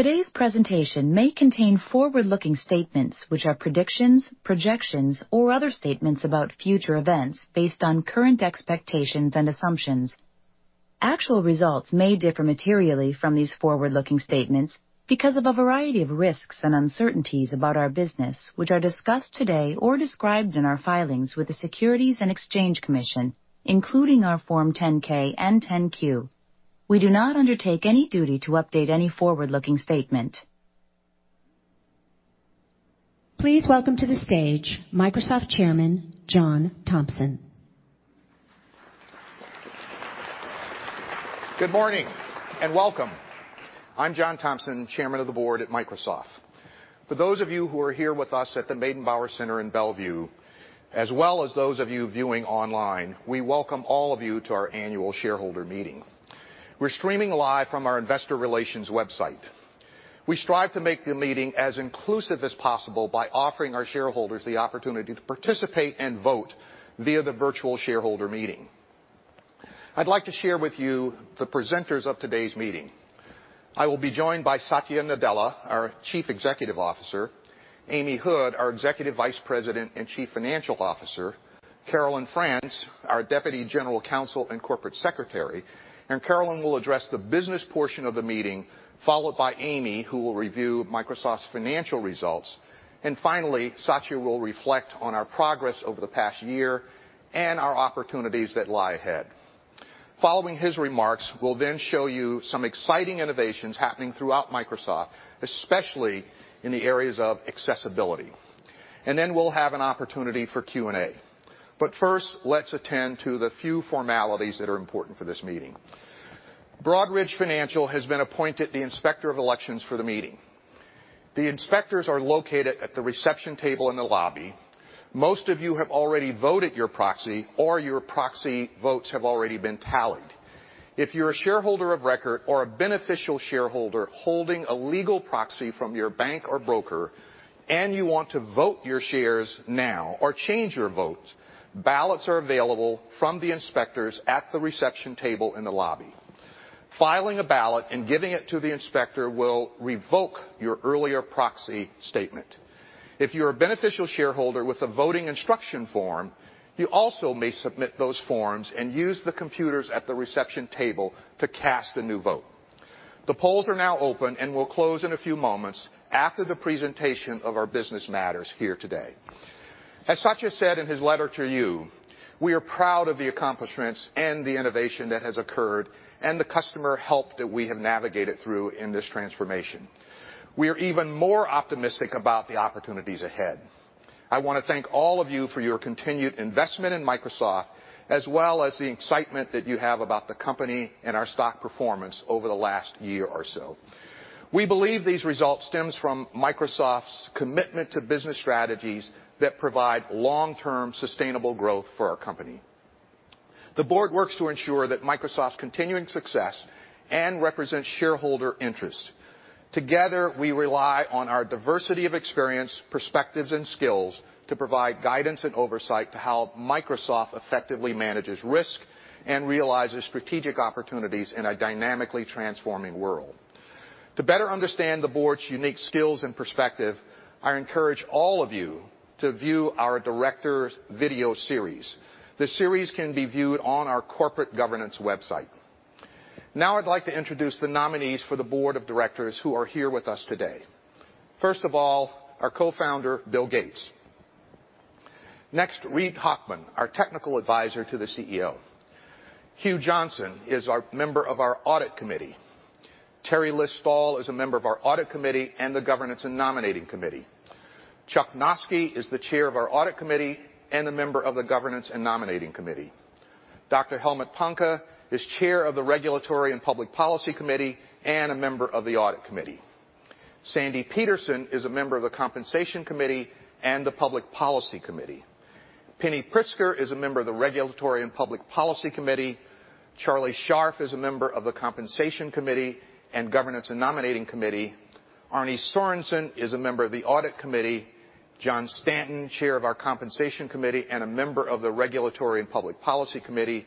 Today's presentation may contain forward-looking statements, which are predictions, projections, or other statements about future events based on current expectations and assumptions. Actual results may differ materially from these forward-looking statements because of a variety of risks and uncertainties about our business, which are discussed today or described in our filings with the Securities and Exchange Commission, including our Form 10-K and 10-Q. We do not undertake any duty to update any forward-looking statement. Please welcome to the stage Microsoft Chairman, John Thompson. Good morning. Welcome. I'm John Thompson, chairman of the board at Microsoft. For those of you who are here with us at the Meydenbauer Center in Bellevue, as well as those of you viewing online, we welcome all of you to our annual shareholder meeting. We're streaming live from our investor relations website. We strive to make the meeting as inclusive as possible by offering our shareholders the opportunity to participate and vote via the virtual shareholder meeting. I'd like to share with you the presenters of today's meeting. I will be joined by Satya Nadella, our Chief Executive Officer, Amy Hood, our Executive Vice President and Chief Financial Officer, Carolyn Frantz, our Deputy General Counsel and Corporate Secretary. Carolyn will address the business portion of the meeting, followed by Amy, who will review Microsoft's financial results. Finally, Satya will reflect on our progress over the past year and our opportunities that lie ahead. Following his remarks, we'll then show you some exciting innovations happening throughout Microsoft, especially in the areas of accessibility. Then we'll have an opportunity for Q&A. First, let's attend to the few formalities that are important for this meeting. Broadridge Financial has been appointed the inspector of elections for the meeting. The inspectors are located at the reception table in the lobby. Most of you have already voted your proxy, or your proxy votes have already been tallied. If you're a shareholder of record or a beneficial shareholder holding a legal proxy from your bank or broker and you want to vote your shares now or change your vote, ballots are available from the inspectors at the reception table in the lobby. Filing a ballot and giving it to the inspector will revoke your earlier proxy statement. If you're a beneficial shareholder with a voting instruction form, you also may submit those forms and use the computers at the reception table to cast a new vote. The polls are now open and will close in a few moments after the presentation of our business matters here today. As Satya said in his letter to you, we are proud of the accomplishments and the innovation that has occurred and the customer help that we have navigated through in this transformation. We are even more optimistic about the opportunities ahead. I want to thank all of you for your continued investment in Microsoft, as well as the excitement that you have about the company and our stock performance over the last year or so. We believe these results stem from Microsoft's commitment to business strategies that provide long-term sustainable growth for our company. The board works to ensure that Microsoft's continuing success and represents shareholder interests. Together, we rely on our diversity of experience, perspectives, and skills to provide guidance and oversight to how Microsoft effectively manages risk and realizes strategic opportunities in a dynamically transforming world. To better understand the board's unique skills and perspective, I encourage all of you to view our directors' video series. The series can be viewed on our corporate governance website. I'd like to introduce the nominees for the board of directors who are here with us today. First of all, our co-founder, Bill Gates. Next, Reid Hoffman, our technical advisor to the CEO. Hugh Johnston is a member of our audit committee. Teri List-Stoll is a member of our audit committee and the governance and nominating committee. Chuck Noski is the chair of our audit committee and a member of the governance and nominating committee. Dr. Helmut Panke is chair of the regulatory and public policy committee and a member of the audit committee. Sandy Peterson is a member of the compensation committee and the public policy committee. Penny Pritzker is a member of the regulatory and public policy committee. Charlie Scharf is a member of the compensation committee and governance and nominating committee. Arne Sorenson is a member of the audit committee. John Stanton, chair of our compensation committee and a member of the regulatory and public policy committee.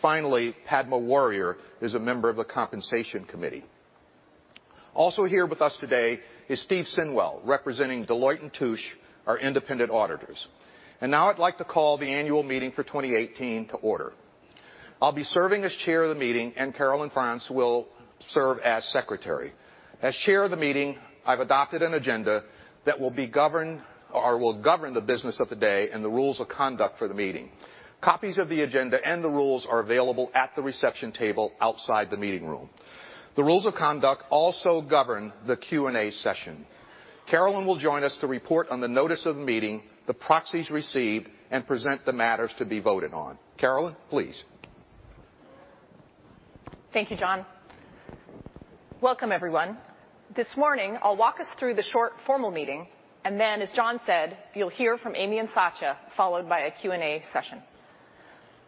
Finally, Padma Warrior is a member of the compensation committee. Also here with us today is Stephen Sinwell, representing Deloitte & Touche, our independent auditors. Now I'd like to call the annual meeting for 2018 to order. I'll be serving as chair of the meeting, and Carolyn Frantz will serve as secretary. As chair of the meeting, I've adopted an agenda that will govern the business of the day and the rules of conduct for the meeting. Copies of the agenda and the rules are available at the reception table outside the meeting room. The rules of conduct also govern the Q&A session. Carolyn will join us to report on the notice of the meeting, the proxies received, and present the matters to be voted on. Carolyn, please. Thank you, John. Welcome, everyone. This morning, I'll walk us through the short formal meeting, then as John said, you'll hear from Amy and Satya, followed by a Q&A session.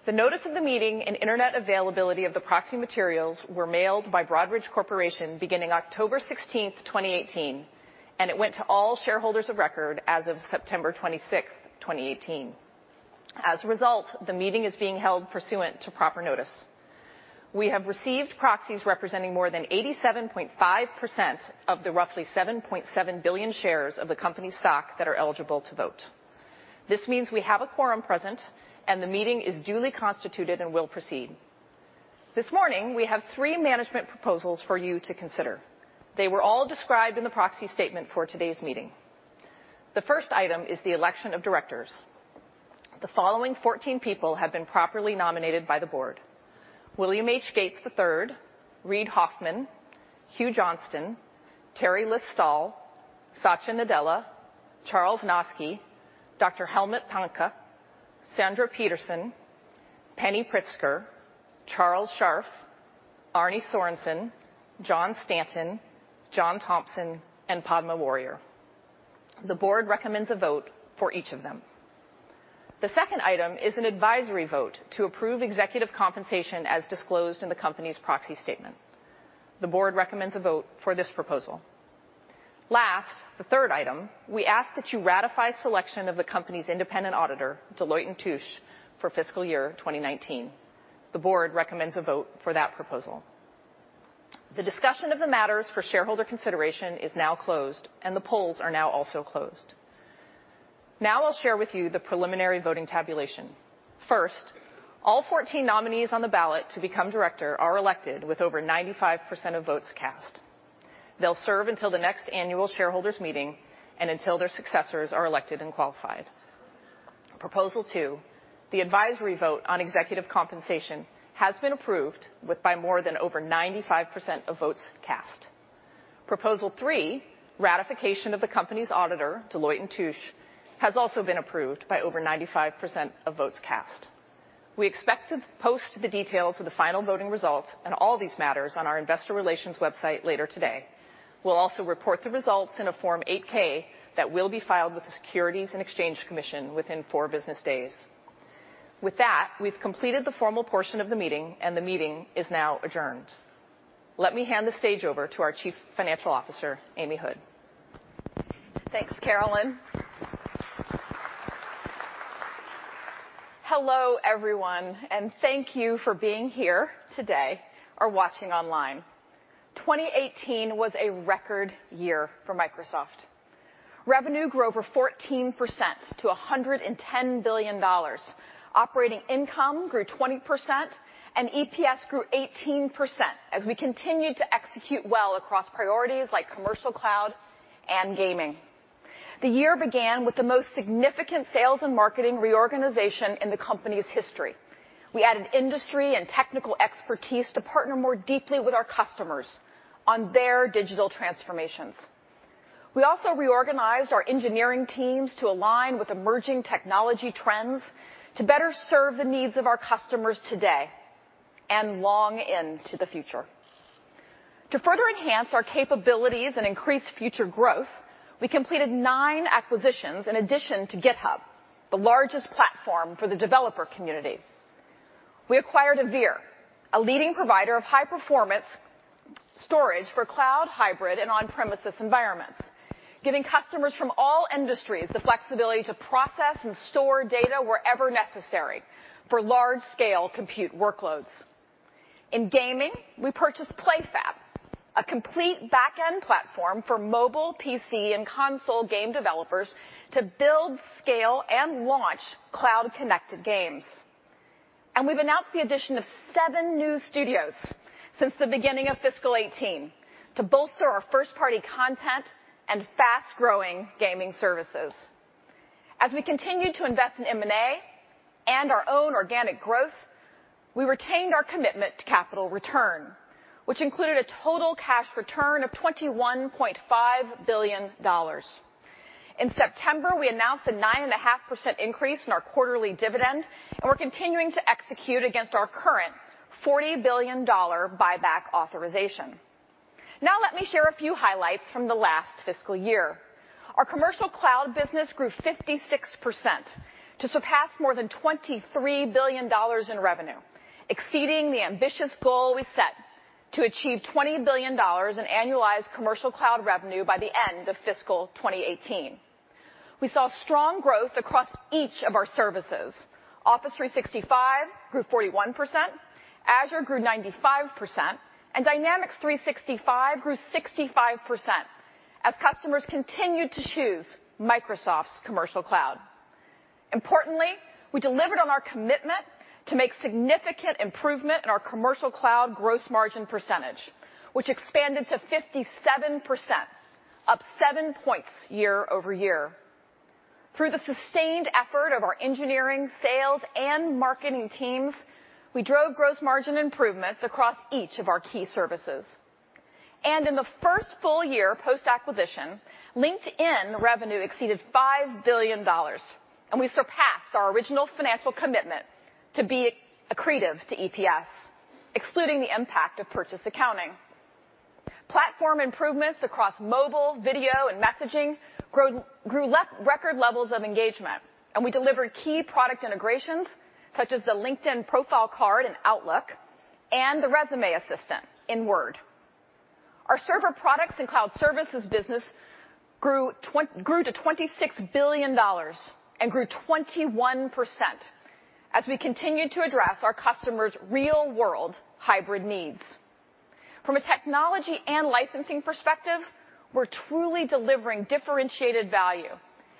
The notice of the meeting and internet availability of the proxy materials were mailed by Broadridge Corporation beginning October 16th, 2018, and it went to all shareholders of record as of September 26th, 2018. As a result, the meeting is being held pursuant to proper notice. We have received proxies representing more than 87.5% of the roughly 7.7 billion shares of the company's stock that are eligible to vote. This means we have a quorum present, and the meeting is duly constituted and will proceed. This morning, we have three management proposals for you to consider. They were all described in the proxy statement for today's meeting. The first item is the election of directors. The following 14 people have been properly nominated by the board. William H. Gates III, Reid Hoffman, Hugh Johnston, Teri List-Stoll, Satya Nadella, Charles Noski, Dr. Helmut Panke, Sandra Peterson, Penny Pritzker, Charles Scharf, Arne Sorenson, John Stanton, John Thompson, and Padma Warrior. The board recommends a vote for each of them. The second item is an advisory vote to approve executive compensation as disclosed in the company's proxy statement. The board recommends a vote for this proposal. Last, the third item, we ask that you ratify selection of the company's independent auditor, Deloitte & Touche, for fiscal year 2019. The board recommends a vote for that proposal. The discussion of the matters for shareholder consideration is now closed, and the polls are now also closed. Now I'll share with you the preliminary voting tabulation. First, all 14 nominees on the ballot to become director are elected with over 95% of votes cast. They'll serve until the next annual shareholders meeting and until their successors are elected and qualified. Proposal two, the advisory vote on executive compensation has been approved by more than over 95% of votes cast. Proposal three, ratification of the company's auditor, Deloitte & Touche, has also been approved by over 95% of votes cast. We expect to post the details of the final voting results and all these matters on our investor relations website later today. We'll also report the results in a Form 8-K that will be filed with the Securities and Exchange Commission within four business days. With that, we've completed the formal portion of the meeting and the meeting is now adjourned. Let me hand the stage over to our Chief Financial Officer, Amy Hood. Thanks, Carolyn. Hello, everyone, and thank you for being here today or watching online. 2018 was a record year for Microsoft. Revenue grew over 14% to $110 billion. Operating income grew 20%, and EPS grew 18% as we continued to execute well across priorities like commercial cloud and gaming. The year began with the most significant sales and marketing reorganization in the company's history. We added industry and technical expertise to partner more deeply with our customers on their digital transformations. We also reorganized our engineering teams to align with emerging technology trends to better serve the needs of our customers today and long into the future. To further enhance our capabilities and increase future growth, we completed nine acquisitions in addition to GitHub, the largest platform for the developer community. We acquired Avere, a leading provider of high-performance storage for cloud, hybrid, and on-premises environments, giving customers from all industries the flexibility to process and store data wherever necessary for large-scale compute workloads. In gaming, we purchased PlayFab, a complete back-end platform for mobile, PC, and console game developers to build, scale, and launch cloud-connected games. We've announced the addition of seven new studios since the beginning of fiscal 2018 to bolster our first-party content and fast-growing gaming services. As we continue to invest in M&A and our own organic growth, we retained our commitment to capital return, which included a total cash return of $21.5 billion. In September, we announced a 9.5% increase in our quarterly dividend, and we're continuing to execute against our current $40 billion buyback authorization. Let me share a few highlights from the last fiscal year. Our commercial cloud business grew 56% to surpass more than $23 billion in revenue, exceeding the ambitious goal we set to achieve $20 billion in annualized commercial cloud revenue by the end of fiscal 2018. We saw strong growth across each of our services. Office 365 grew 41%, Azure grew 95%, and Dynamics 365 grew 65% as customers continued to choose Microsoft's commercial cloud. Importantly, we delivered on our commitment to make significant improvement in our commercial cloud gross margin percentage, which expanded to 57%, up seven points year-over-year. Through the sustained effort of our engineering, sales, and marketing teams, we drove gross margin improvements across each of our key services. In the first full year post-acquisition, LinkedIn revenue exceeded $5 billion, and we surpassed our original financial commitment to be accretive to EPS, excluding the impact of purchase accounting. Platform improvements across mobile, video, and messaging grew record levels of engagement, and we delivered key product integrations such as the LinkedIn profile card in Outlook and the resume assistant in Word. Our server products and cloud services business grew to $26 billion and grew 21% as we continued to address our customers' real-world hybrid needs. From a technology and licensing perspective, we're truly delivering differentiated value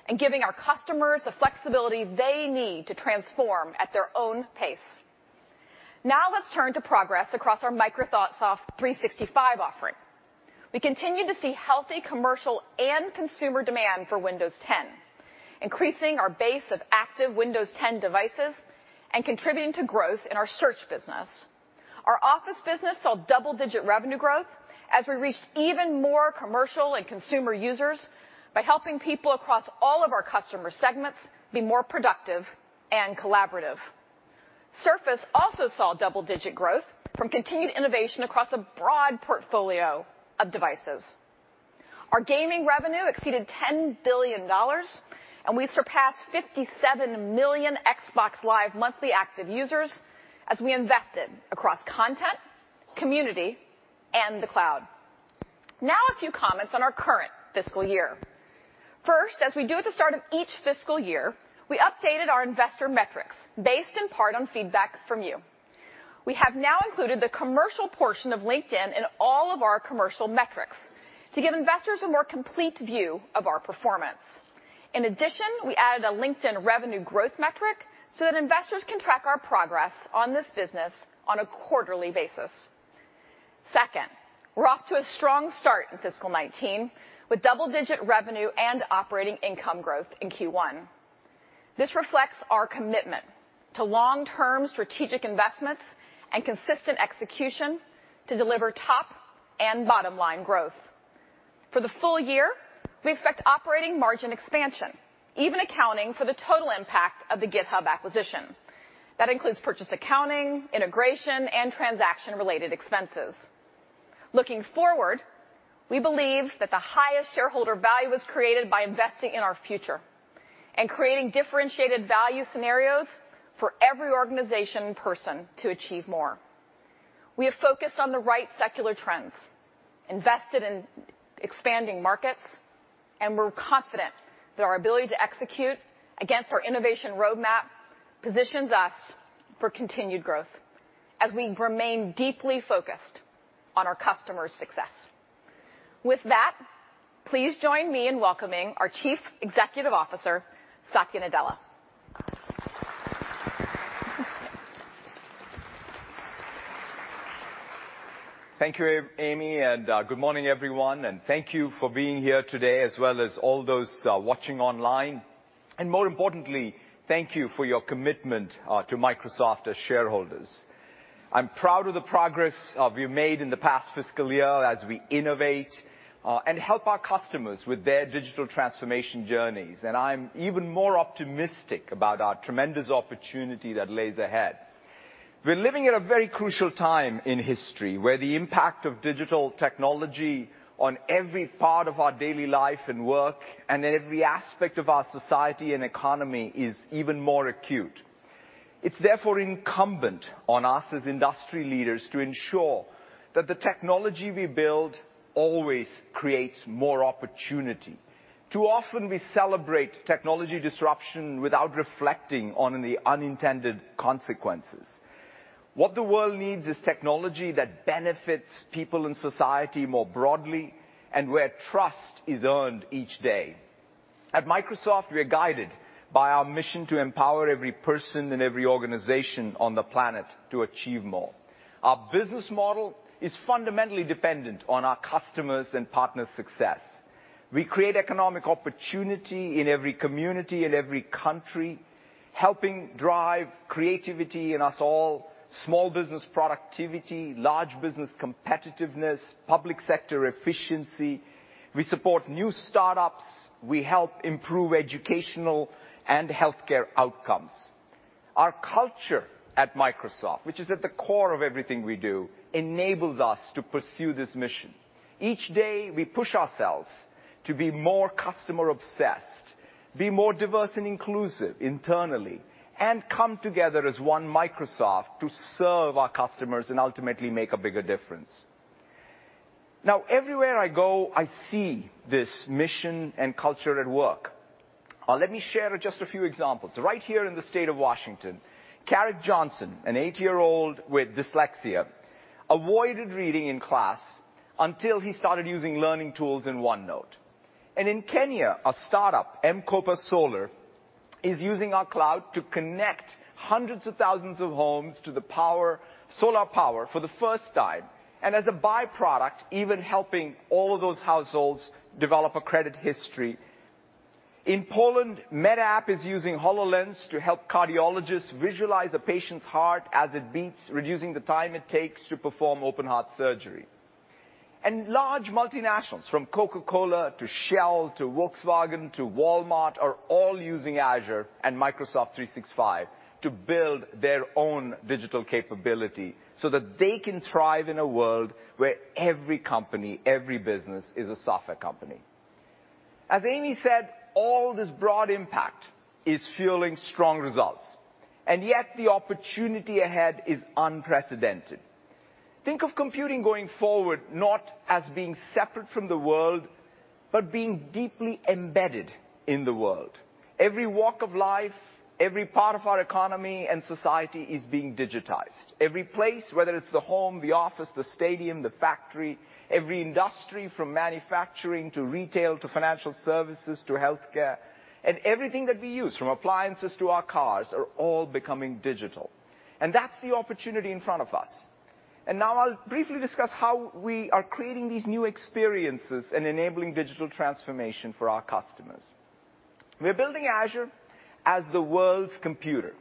and giving our customers the flexibility they need to transform at their own pace. Let's turn to progress across our Microsoft 365 offering. We continue to see healthy commercial and consumer demand for Windows 10, increasing our base of active Windows 10 devices and contributing to growth in our search business. Our Office business saw double-digit revenue growth as we reached even more commercial and consumer users by helping people across all of our customer segments be more productive and collaborative. Surface also saw double-digit growth from continued innovation across a broad portfolio of devices. Our gaming revenue exceeded $10 billion, and we surpassed 57 million Xbox Live monthly active users as we invested across content, community, and the cloud. A few comments on our current fiscal year. First, as we do at the start of each fiscal year, we updated our investor metrics based in part on feedback from you. We have now included the commercial portion of LinkedIn in all of our commercial metrics to give investors a more complete view of our performance. In addition, we added a LinkedIn revenue growth metric so that investors can track our progress on this business on a quarterly basis. Second, we're off to a strong start in fiscal 2019, with double-digit revenue and operating income growth in Q1. This reflects our commitment to long-term strategic investments and consistent execution to deliver top and bottom-line growth. For the full year, we expect operating margin expansion, even accounting for the total impact of the GitHub acquisition. That includes purchase accounting, integration, and transaction-related expenses. Looking forward, we believe that the highest shareholder value is created by investing in our future and creating differentiated value scenarios for every organization and person to achieve more. We have focused on the right secular trends, invested in expanding markets, and we're confident that our ability to execute against our innovation roadmap positions us for continued growth as we remain deeply focused on our customers' success. With that, please join me in welcoming our Chief Executive Officer, Satya Nadella. Thank you, Amy, and good morning, everyone, and thank you for being here today, as well as all those watching online. More importantly, thank you for your commitment to Microsoft as shareholders. I'm proud of the progress we've made in the past fiscal year as we innovate and help our customers with their digital transformation journeys, and I'm even more optimistic about our tremendous opportunity that lays ahead. We're living at a very crucial time in history where the impact of digital technology on every part of our daily life and work and in every aspect of our society and economy is even more acute. It's therefore incumbent on us as industry leaders to ensure that the technology we build always creates more opportunity. Too often we celebrate technology disruption without reflecting on the unintended consequences. What the world needs is technology that benefits people in society more broadly and where trust is earned each day. At Microsoft, we are guided by our mission to empower every person and every organization on the planet to achieve more. Our business model is fundamentally dependent on our customers' and partners' success. We create economic opportunity in every community, in every country, helping drive creativity in us all, small business productivity, large business competitiveness, public sector efficiency. We support new startups. We help improve educational and healthcare outcomes. Our culture at Microsoft, which is at the core of everything we do, enables us to pursue this mission. Each day, we push ourselves to be more customer obsessed, be more diverse and inclusive internally, and come together as one Microsoft to serve our customers and ultimately make a bigger difference. Everywhere I go, I see this mission and culture at work. Let me share just a few examples. Right here in the state of Washington, Carrick Johnson, an eight-year-old with dyslexia, avoided reading in class until he started using learning tools in OneNote. In Kenya, a startup, M-KOPA Solar, is using our cloud to connect hundreds of thousands of homes to solar power for the first time and as a byproduct, even helping all of those households develop a credit history. In Poland, MedApp is using HoloLens to help cardiologists visualize a patient's heart as it beats, reducing the time it takes to perform open heart surgery. Large multinationals from Coca-Cola to Shell to Volkswagen to Walmart are all using Azure and Microsoft 365 to build their own digital capability so that they can thrive in a world where every company, every business is a software company. As Amy said, all this broad impact is fueling strong results, yet the opportunity ahead is unprecedented. Think of computing going forward, not as being separate from the world, but being deeply embedded in the world. Every walk of life, every part of our economy and society is being digitized. Every place, whether it's the home, the office, the stadium, the factory, every industry from manufacturing to retail, to financial services, to healthcare, and everything that we use, from appliances to our cars, are all becoming digital. That's the opportunity in front of us. Now I'll briefly discuss how we are creating these new experiences and enabling digital transformation for our customers. We're building Azure as the world's computer,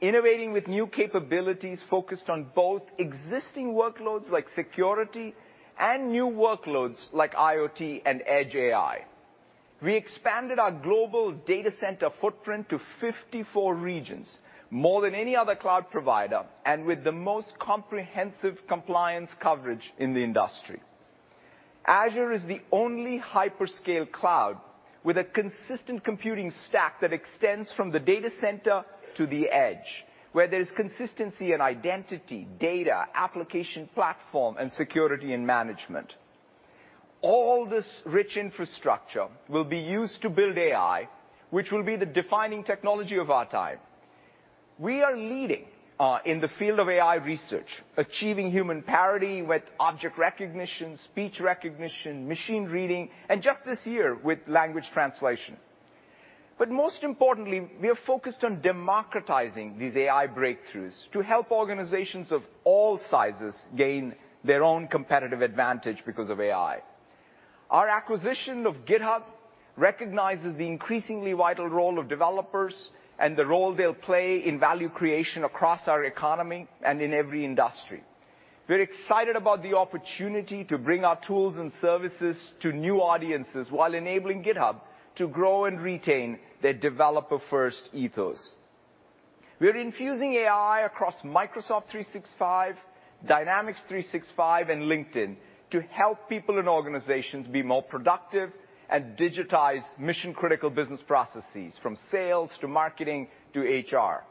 innovating with new capabilities focused on both existing workloads like security and new workloads like IoT and Edge AI. We expanded our global data center footprint to 54 regions, more than any other cloud provider, and with the most comprehensive compliance coverage in the industry. Azure is the only hyperscale cloud with a consistent computing stack that extends from the data center to the edge, where there's consistency in identity, data, application platform, and security and management. All this rich infrastructure will be used to build AI, which will be the defining technology of our time. We are leading in the field of AI research, achieving human parity with object recognition, speech recognition, machine reading, and just this year with language translation. Most importantly, we are focused on democratizing these AI breakthroughs to help organizations of all sizes gain their own competitive advantage because of AI. Our acquisition of GitHub recognizes the increasingly vital role of developers and the role they'll play in value creation across our economy and in every industry. We're excited about the opportunity to bring our tools and services to new audiences while enabling GitHub to grow and retain their developer-first ethos. We're infusing AI across Microsoft 365, Dynamics 365, and LinkedIn to help people and organizations be more productive and digitize mission-critical business processes from sales to marketing to HR.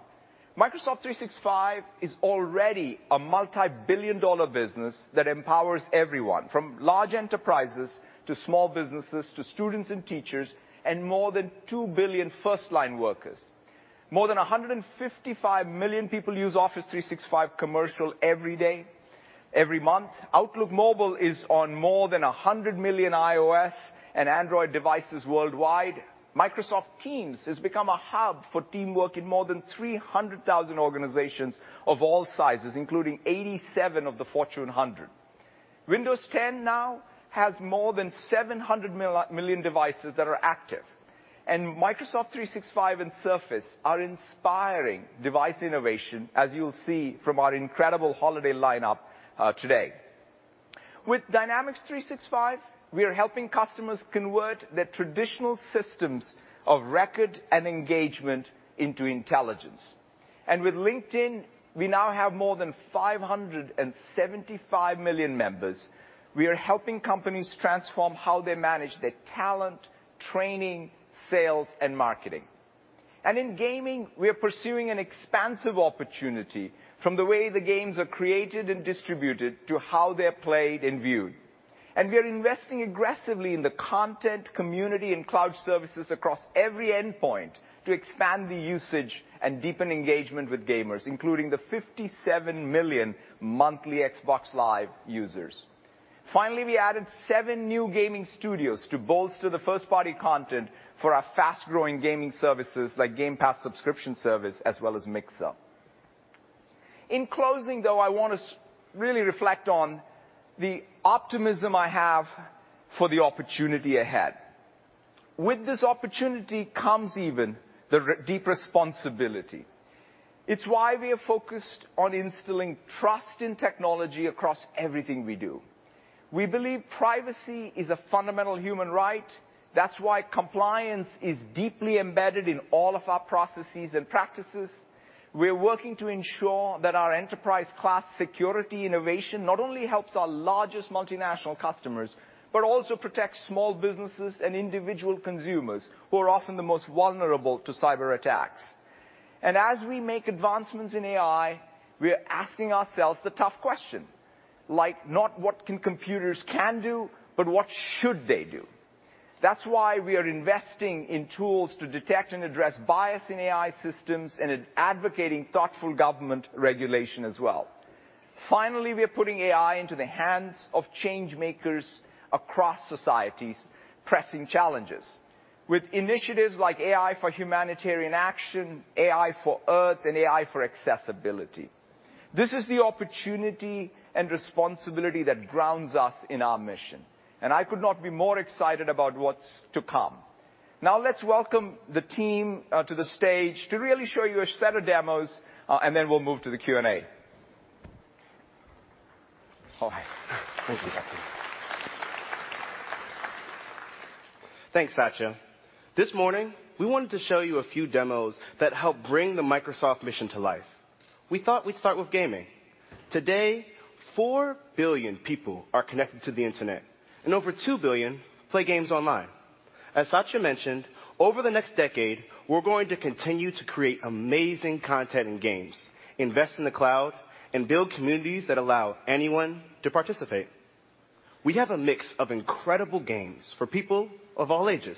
Microsoft 365 is already a multi-billion-dollar business that empowers everyone, from large enterprises to small businesses, to students and teachers, and more than 2 billion firstline workers. More than 155 million people use Office 365 Commercial every day. Every month, Outlook Mobile is on more than 100 million iOS and Android devices worldwide. Microsoft Teams has become a hub for teamwork in more than 300,000 organizations of all sizes, including 87 of the Fortune 100. Windows 10 now has more than 700 million devices that are active, and Microsoft 365 and Surface are inspiring device innovation, as you'll see from our incredible holiday lineup today. With Dynamics 365, we are helping customers convert their traditional systems of record and engagement into intelligence. With LinkedIn, we now have more than 575 million members. We are helping companies transform how they manage their talent, training, sales, and marketing. In gaming, we are pursuing an expansive opportunity from the way the games are created and distributed to how they're played and viewed. We are investing aggressively in the content, community, and cloud services across every endpoint to expand the usage and deepen engagement with gamers, including the 57 million monthly Xbox Live users. Finally, we added 7 new gaming studios to bolster the first-party content for our fast-growing gaming services like Game Pass subscription service, as well as Mixer. In closing, though, I want us really reflect on the optimism I have for the opportunity ahead. With this opportunity comes even the deep responsibility. It's why we are focused on instilling trust in technology across everything we do. We believe privacy is a fundamental human right. That's why compliance is deeply embedded in all of our processes and practices. We're working to ensure that our enterprise-class security innovation not only helps our largest multinational customers but also protects small businesses and individual consumers who are often the most vulnerable to cyberattacks. As we make advancements in AI, we are asking ourselves the tough question, like not what can computers do, but what should they do. That's why we are investing in tools to detect and address bias in AI systems and in advocating thoughtful government regulation as well. Finally, we are putting AI into the hands of changemakers across societies' pressing challenges with initiatives like AI for Humanitarian Action, AI for Earth, and AI for Accessibility. This is the opportunity and responsibility that grounds us in our mission, and I could not be more excited about what's to come. Now let's welcome the team to the stage to really show you a set of demos, and then we'll move to the Q&A. Thank you, Satya. Thanks, Satya. This morning, we wanted to show you a few demos that help bring the Microsoft mission to life. We thought we'd start with gaming. Today, 4 billion people are connected to the internet, and over 2 billion play games online. As Satya mentioned, over the next decade, we're going to continue to create amazing content and games, invest in the cloud, and build communities that allow anyone to participate. We have a mix of incredible games for people of all ages.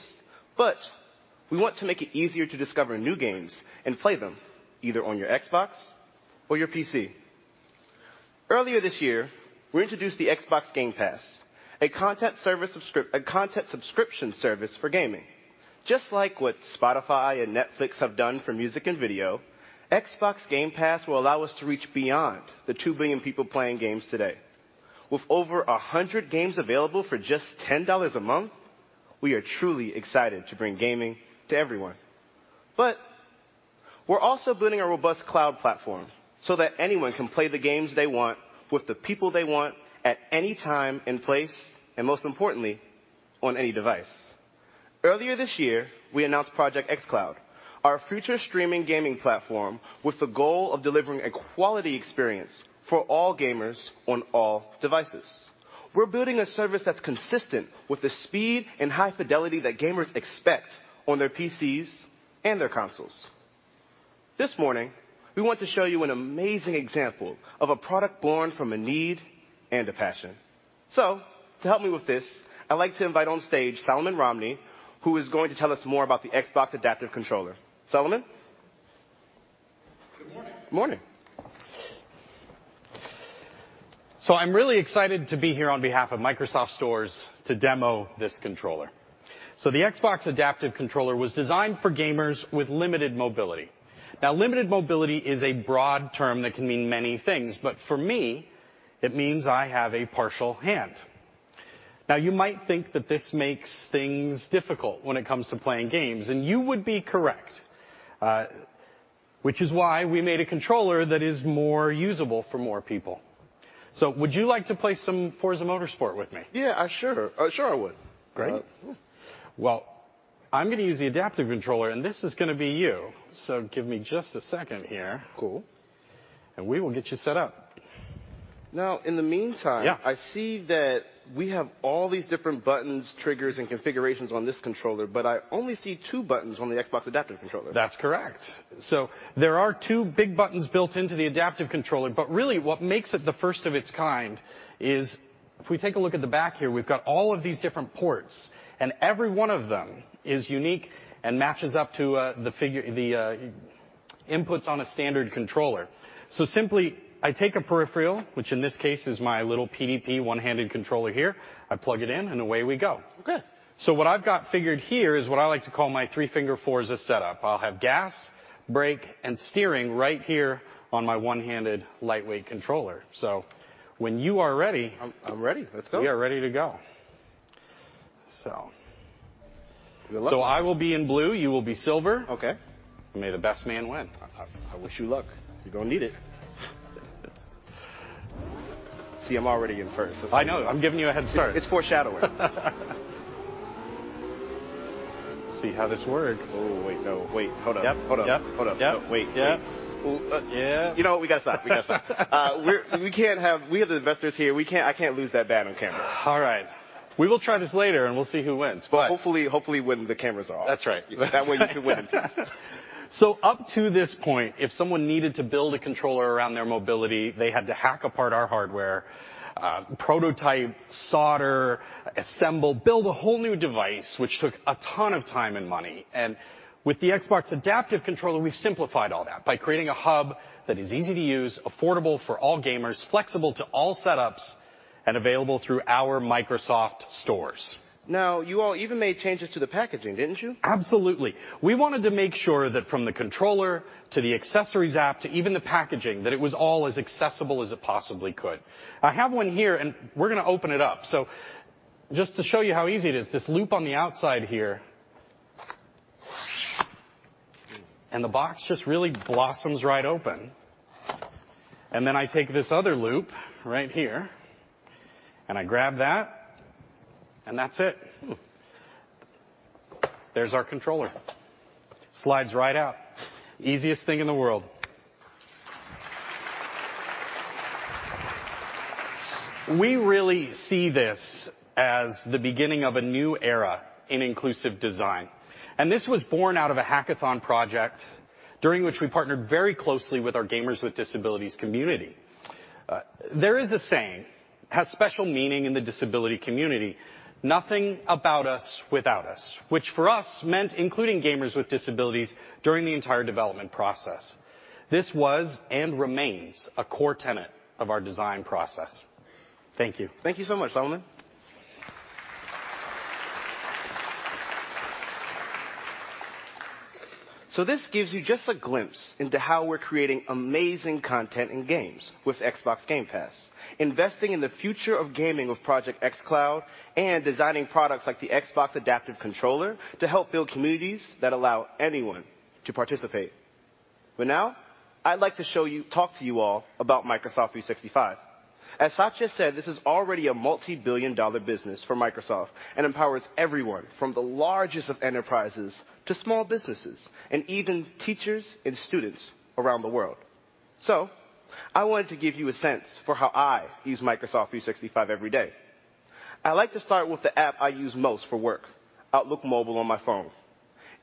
We want to make it easier to discover new games and play them either on your Xbox or your PC. Earlier this year, we introduced the Xbox Game Pass, a content subscription service for gaming. Just like what Spotify and Netflix have done for music and video, Xbox Game Pass will allow us to reach beyond the 2 billion people playing games today. With over 100 games available for just $10 a month, we are truly excited to bring gaming to everyone. We're also building a robust cloud platform so that anyone can play the games they want with the people they want at any time and place, and most importantly, on any device. Earlier this year, we announced Project xCloud, our future streaming gaming platform with the goal of delivering a quality experience for all gamers on all devices. We're building a service that's consistent with the speed and high fidelity that gamers expect on their PCs and their consoles. This morning, we want to show you an amazing example of a product born from a need and a passion. To help me with this, I'd like to invite on stage Solomon Romney, who is going to tell us more about the Xbox Adaptive Controller. Solomon? Good morning. Morning. I'm really excited to be here on behalf of Microsoft Stores to demo this controller. The Xbox Adaptive Controller was designed for gamers with limited mobility. Now, limited mobility is a broad term that can mean many things, but for me, it means I have a partial hand. Now, you might think that this makes things difficult when it comes to playing games, and you would be correct, which is why we made a controller that is more usable for more people. Would you like to play some Forza Motorsport with me? Yeah, sure. Sure I would. Great. Well, I'm going to use the adaptive controller, and this is going to be you. Give me just a second here. Cool. We will get you set up. Now, in the meantime. Yeah I see that we have all these different buttons, triggers, and configurations on this controller, but I only see two buttons on the Xbox Adaptive Controller. That's correct. There are two big buttons built into the adaptive controller. Really what makes it the first of its kind is if we take a look at the back here, we've got all of these different ports, and every one of them is unique and matches up to the inputs on a standard controller. Simply, I take a peripheral, which in this case is my little PDP one-handed controller here. I plug it in, and away we go. Okay. What I've got figured here is what I like to call my three-finger Forza setup. I'll have gas, brake, and steering right here on my one-handed lightweight controller. When you are ready. I'm ready. Let's go. We are ready to go. I will be in blue. You will be silver. Okay. May the best man win. I wish you luck. You're going to need it. See, I'm already in first. I know. I'm giving you a head start. It's foreshadowing. See how this works. Oh, wait, no. Wait. Hold up. Yep. Hold up. Yep. Hold up. Yep. Wait. Yeah. You know what? We got to stop. We got to stop. We have the investors here. I can't lose that bad on camera. All right. We will try this later, and we'll see who wins. Hopefully when the cameras are off. That's right. That way you can win. Up to this point, if someone needed to build a controller around their mobility, they had to hack apart our hardware, prototype, solder, assemble, build a whole new device, which took a ton of time and money. With the Xbox Adaptive Controller, we've simplified all that by creating a hub that is easy to use, affordable for all gamers, flexible to all setups, and available through our Microsoft Stores. You all even made changes to the packaging, didn't you? Absolutely. We wanted to make sure that from the controller to the accessories app to even the packaging, that it was all as accessible as it possibly could. I have one here, and we're going to open it up. Just to show you how easy it is, this loop on the outside here, the box just really blossoms right open. Then I take this other loop right here, and I grab that, and that's it. There's our controller. Slides right out. Easiest thing in the world. We really see this as the beginning of a new era in inclusive design, this was born out of a hackathon project during which we partnered very closely with our gamers with disabilities community. There is a saying, has special meaning in the disability community, "Nothing about us without us," which for us meant including gamers with disabilities during the entire development process. This was and remains a core tenet of our design process. Thank you. Thank you so much, Solomon. This gives you just a glimpse into how we're creating amazing content and games with Xbox Game Pass, investing in the future of gaming with Project xCloud, and designing products like the Xbox Adaptive Controller to help build communities that allow anyone to participate. But now I'd like to talk to you all about Microsoft 365. As Satya said, this is already a multi-billion-dollar business for Microsoft and empowers everyone from the largest of enterprises to small businesses and even teachers and students around the world. I wanted to give you a sense for how I use Microsoft 365 every day. I like to start with the app I use most for work, Outlook Mobile, on my phone.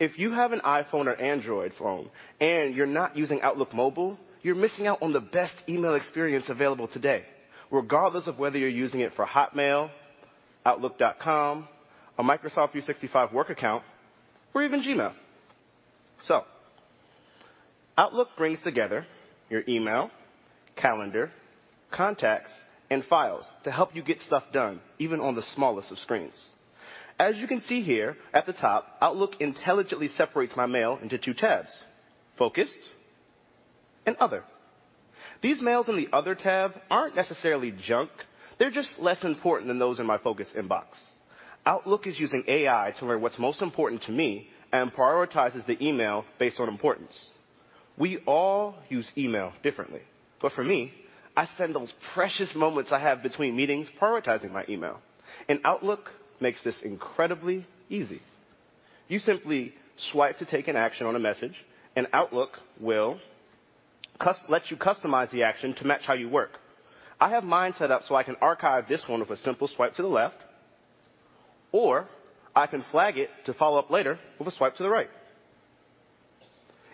If you have an iPhone or Android phone and you're not using Outlook Mobile, you're missing out on the best email experience available today, regardless of whether you're using it for Hotmail, Outlook.com, a Microsoft 365 work account, or even Gmail. Outlook brings together your email, calendar, contacts, and files to help you get stuff done, even on the smallest of screens. As you can see here at the top, Outlook intelligently separates my mail into two tabs, Focused and Other. These mails in the Other tab aren't necessarily junk. They're just less important than those in my Focused inbox. Outlook is using AI to learn what's most important to me and prioritizes the email based on importance. We all use email differently, but for me, I spend those precious moments I have between meetings prioritizing my email, and Outlook makes this incredibly easy. You simply swipe to take an action on a message, and Outlook will let you customize the action to match how you work. I have mine set up so I can archive this one with a simple swipe to the left, or I can flag it to follow up later with a swipe to the right.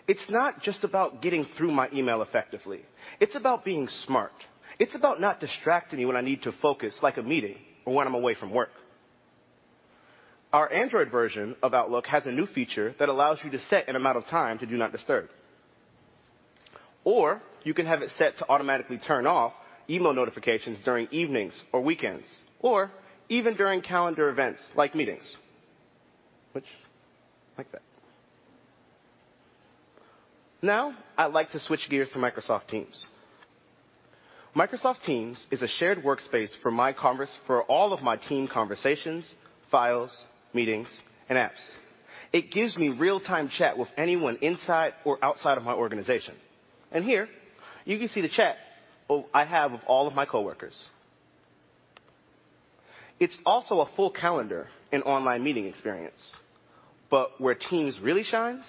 It's not just about getting through my email effectively. It's about being smart. It's about not distracting me when I need to focus, like a meeting or when I'm away from work. Our Android version of Outlook has a new feature that allows you to set an amount of time to do not disturb. You can have it set to automatically turn off email notifications during evenings or weekends, or even during calendar events like meetings, which like that. I'd like to switch gears to Microsoft Teams. Microsoft Teams is a shared workspace for all of my team conversations, files, meetings, and apps. It gives me real-time chat with anyone inside or outside of my organization. Here you can see the chat I have with all of my coworkers. It's also a full calendar and online meeting experience, but where Teams really shines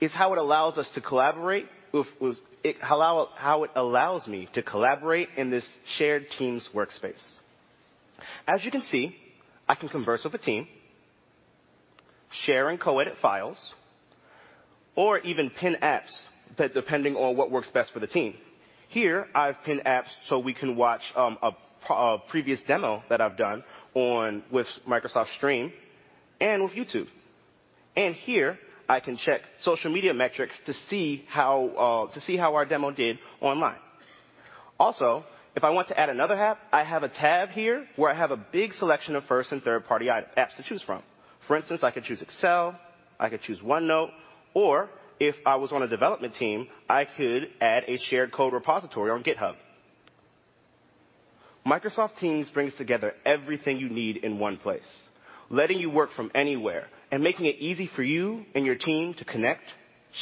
is how it allows me to collaborate in this shared Teams workspace. As you can see, I can converse with a team, share and co-edit files, or even pin apps depending on what works best for the team. Here I've pinned apps so we can watch a previous demo that I've done with Microsoft Stream and with YouTube. Here I can check social media metrics to see how our demo did online. If I want to add another app, I have a tab here where I have a big selection of first and third-party apps to choose from. For instance, I could choose Excel, I could choose OneNote, or if I was on a development team, I could add a shared code repository on GitHub. Microsoft Teams brings together everything you need in one place, letting you work from anywhere and making it easy for you and your team to connect,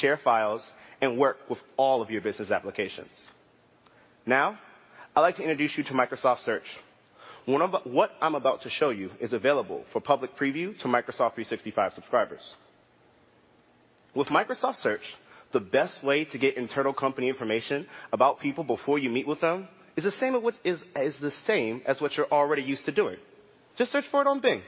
share files, and work with all of your business applications. Now I'd like to introduce you to Microsoft Search. What I'm about to show you is available for public preview to Microsoft 365 subscribers. With Microsoft Search, the best way to get internal company information about people before you meet with them is the same as what you're already used to doing. Just search for it on Bing.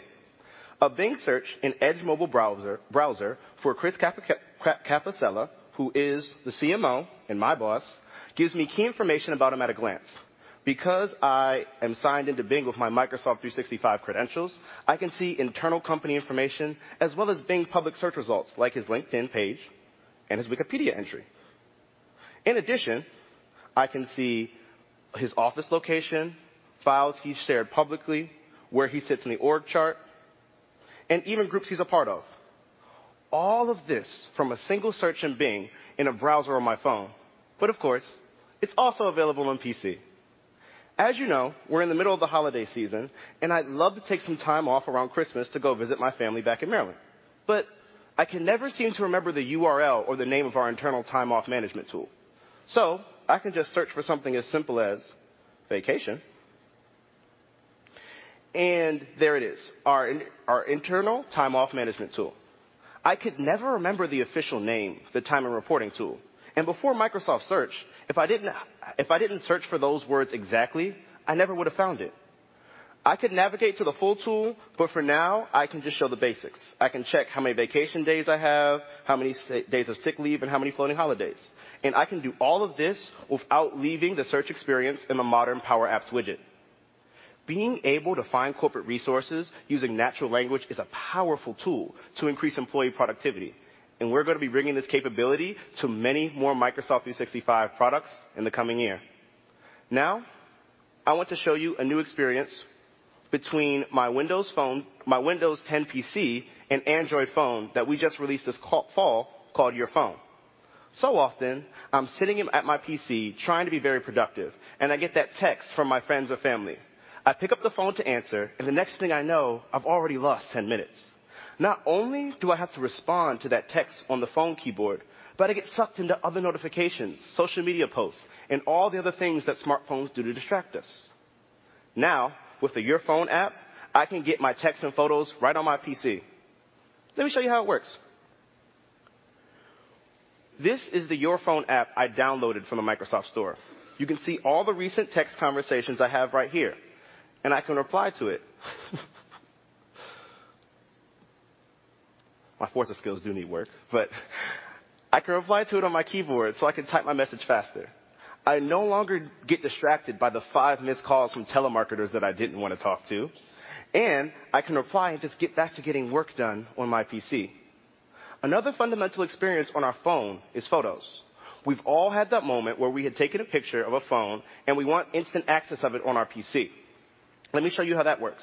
A Bing search in Edge mobile browser for Chris Capossela, who is the CMO and my boss, gives me key information about him at a glance. Because I am signed into Bing with my Microsoft 365 credentials, I can see internal company information as well as Bing public search results like his LinkedIn page and his Wikipedia entry. In addition, I can see his office location, files he's shared publicly, where he sits in the org chart, and even groups he's a part of. All of this from a single search in Bing in a browser on my phone. Of course, it's also available on PC. As you know, we're in the middle of the holiday season, and I'd love to take some time off around Christmas to go visit my family back in Maryland. I can never seem to remember the URL or the name of our internal time-off management tool. I can just search for something as simple as vacation. There it is, our internal time-off management tool. I could never remember the official name, the time and reporting tool. Before Microsoft Search, if I didn't search for those words exactly, I never would have found it. I could navigate to the full tool, but for now, I can just show the basics. I can check how many vacation days I have, how many days of sick leave, and how many floating holidays. I can do all of this without leaving the search experience in the modern Power Apps widget. Being able to find corporate resources using natural language is a powerful tool to increase employee productivity. We're going to be bringing this capability to many more Microsoft 365 products in the coming year. I want to show you a new experience between my Windows 10 PC and Android phone that we just released this fall called Your Phone. Often I'm sitting at my PC trying to be very productive. I get that text from my friends or family I pick up the phone to answer, and the next thing I know, I've already lost 10 minutes. Not only do I have to respond to that text on the phone keyboard, I get sucked into other notifications, social media posts, and all the other things that smartphones do to distract us. With the Your Phone app, I can get my texts and photos right on my PC. Let me show you how it works. This is the Your Phone app I downloaded from the Microsoft Store. You can see all the recent text conversations I have right here, and I can reply to it. My Forza skills do need work, but I can reply to it on my keyboard, so I can type my message faster. I no longer get distracted by the five missed calls from telemarketers that I didn't want to talk to, and I can reply and just get back to getting work done on my PC. Another fundamental experience on our phone is photos. We've all had that moment where we had taken a picture of a phone and we want instant access of it on our PC. Let me show you how that works.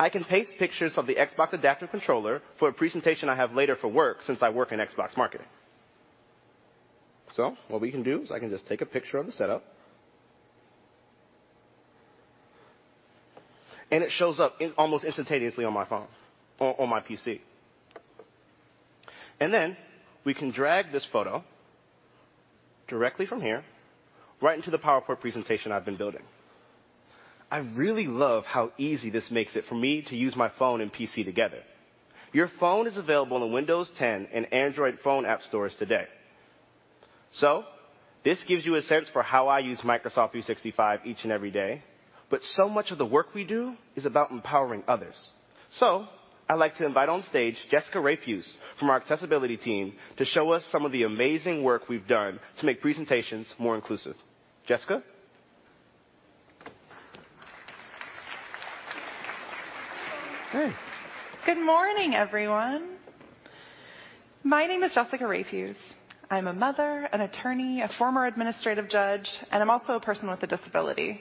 I can paste pictures of the Xbox Adaptive Controller for a presentation I have later for work since I work in Xbox marketing. What we can do is I can just take a picture of the setup, and it shows up almost instantaneously on my PC. Then we can drag this photo directly from here right into the PowerPoint presentation I've been building. I really love how easy this makes it for me to use my phone and PC together. Your Phone is available on Windows 10 and Android phone app stores today. This gives you a sense for how I use Microsoft 365 each and every day, much of the work we do is about empowering others. I'd like to invite on stage Jessica Rafuse from our accessibility team to show us some of the amazing work we've done to make presentations more inclusive. Jessica? Hey. Good morning, everyone. My name is Jessica Rafuse. I'm a mother, an attorney, a former administrative judge, and I'm also a person with a disability.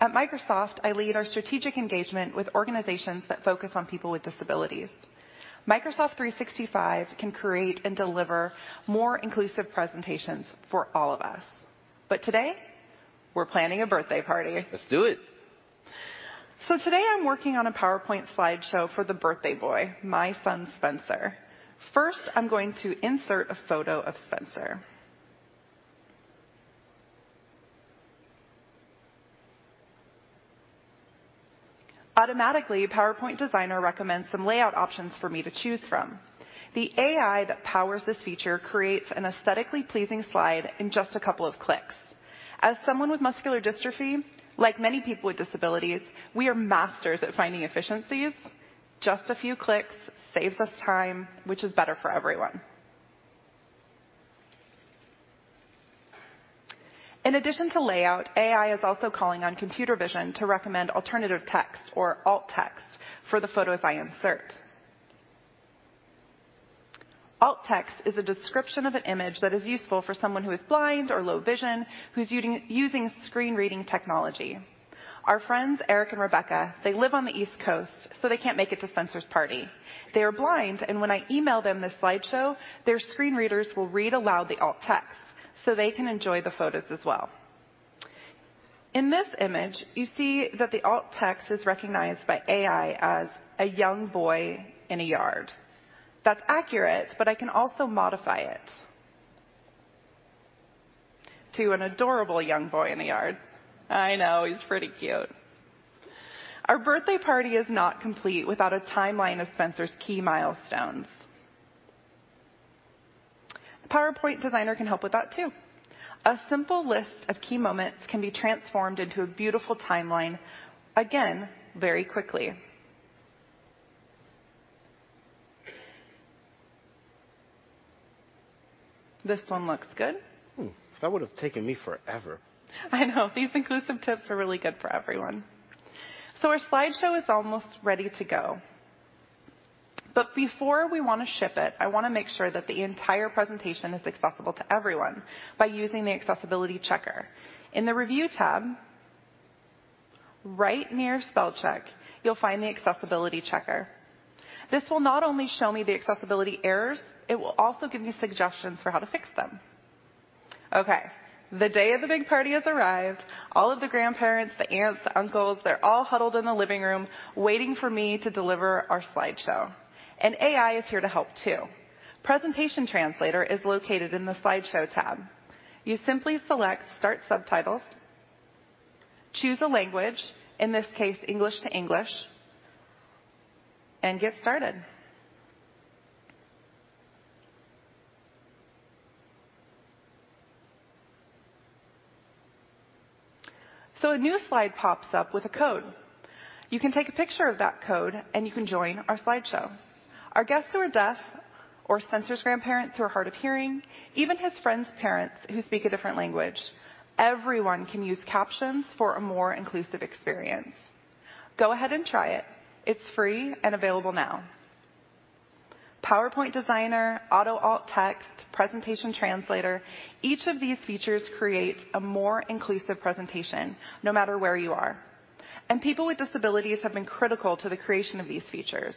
At Microsoft, I lead our strategic engagement with organizations that focus on people with disabilities. Microsoft 365 can create and deliver more inclusive presentations for all of us. Today, we're planning a birthday party. Let's do it. Today I'm working on a PowerPoint slideshow for the birthday boy, my son, Spencer. First, I'm going to insert a photo of Spencer. Automatically, PowerPoint Designer recommends some layout options for me to choose from. The AI that powers this feature creates an aesthetically pleasing slide in just a couple of clicks. As someone with muscular dystrophy, like many people with disabilities, we are masters at finding efficiencies. Just a few clicks saves us time, which is better for everyone. In addition to layout, AI is also calling on computer vision to recommend alternative text or alt text for the photos I insert. Alt text is a description of an image that is useful for someone who is blind or low vision who's using screen-reading technology. Our friends, Eric and Rebecca, they live on the East Coast, so they can't make it to Spencer's party. They are blind, when I email them this slideshow, their screen readers will read aloud the alt text so they can enjoy the photos as well. In this image, you see that the alt text is recognized by AI as a "young boy in a yard." That's accurate, I can also modify it to an "adorable young boy in the yard." I know, he's pretty cute. Our birthday party is not complete without a timeline of Spencer's key milestones. PowerPoint Designer can help with that, too. A simple list of key moments can be transformed into a beautiful timeline, again, very quickly. This one looks good. Hmm. That would've taken me forever. I know. These inclusive tips are really good for everyone. Our slideshow is almost ready to go. Before we want to ship it, I want to make sure that the entire presentation is accessible to everyone by using the accessibility checker. In the Review tab, right near Spell Check, you'll find the accessibility checker. This will not only show me the accessibility errors, it will also give me suggestions for how to fix them. Okay. The day of the big party has arrived. All of the grandparents, the aunts, the uncles, they're all huddled in the living room waiting for me to deliver our slideshow. AI is here to help, too. Presentation translator is located in the Slideshow tab. You simply select Start Subtitles, choose a language, in this case, English to English, and get started. A new slide pops up with a code. You can take a picture of that code, and you can join our slideshow. Our guests who are deaf or Spencer's grandparents who are hard of hearing, even his friends' parents who speak a different language, everyone can use captions for a more inclusive experience. Go ahead and try it. It's free and available now. PowerPoint Designer, auto alt text, Presentation translator. Each of these features creates a more inclusive presentation, no matter where you are. People with disabilities have been critical to the creation of these features.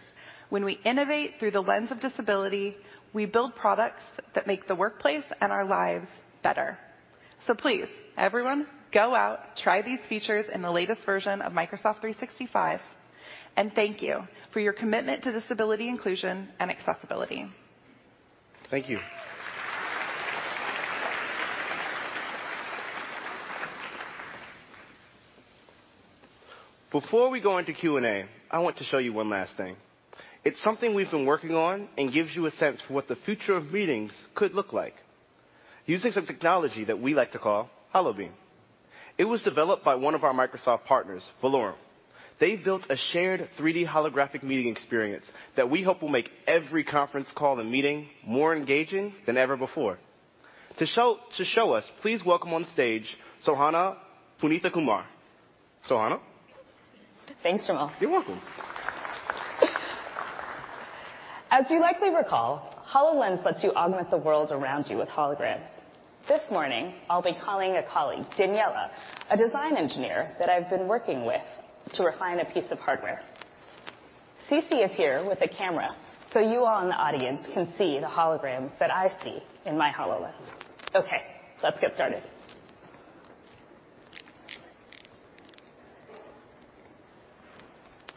When we innovate through the lens of disability, we build products that make the workplace and our lives better. Please, everyone, go out, try these features in the latest version of Microsoft 365, and thank you for your commitment to disability inclusion and accessibility. Thank you. Before we go into Q&A, I want to show you one last thing. It's something we've been working on, and gives you a sense for what the future of meetings could look like, using some technology that we like to call HoloBeam. It was developed by one of our Microsoft partners, Valorem. They built a shared 3D holographic meeting experience that we hope will make every conference call and meeting more engaging than ever before. To show us, please welcome on stage Sohana Punithakumar. Sohana? Thanks, Chris Capossela. You're welcome. As you likely recall, HoloLens lets you augment the world around you with holograms. This morning, I'll be calling a colleague, Daniella, a design engineer that I've been working with to refine a piece of hardware. CeCe is here with a camera, so you all in the audience can see the holograms that I see in my HoloLens. Okay, let's get started.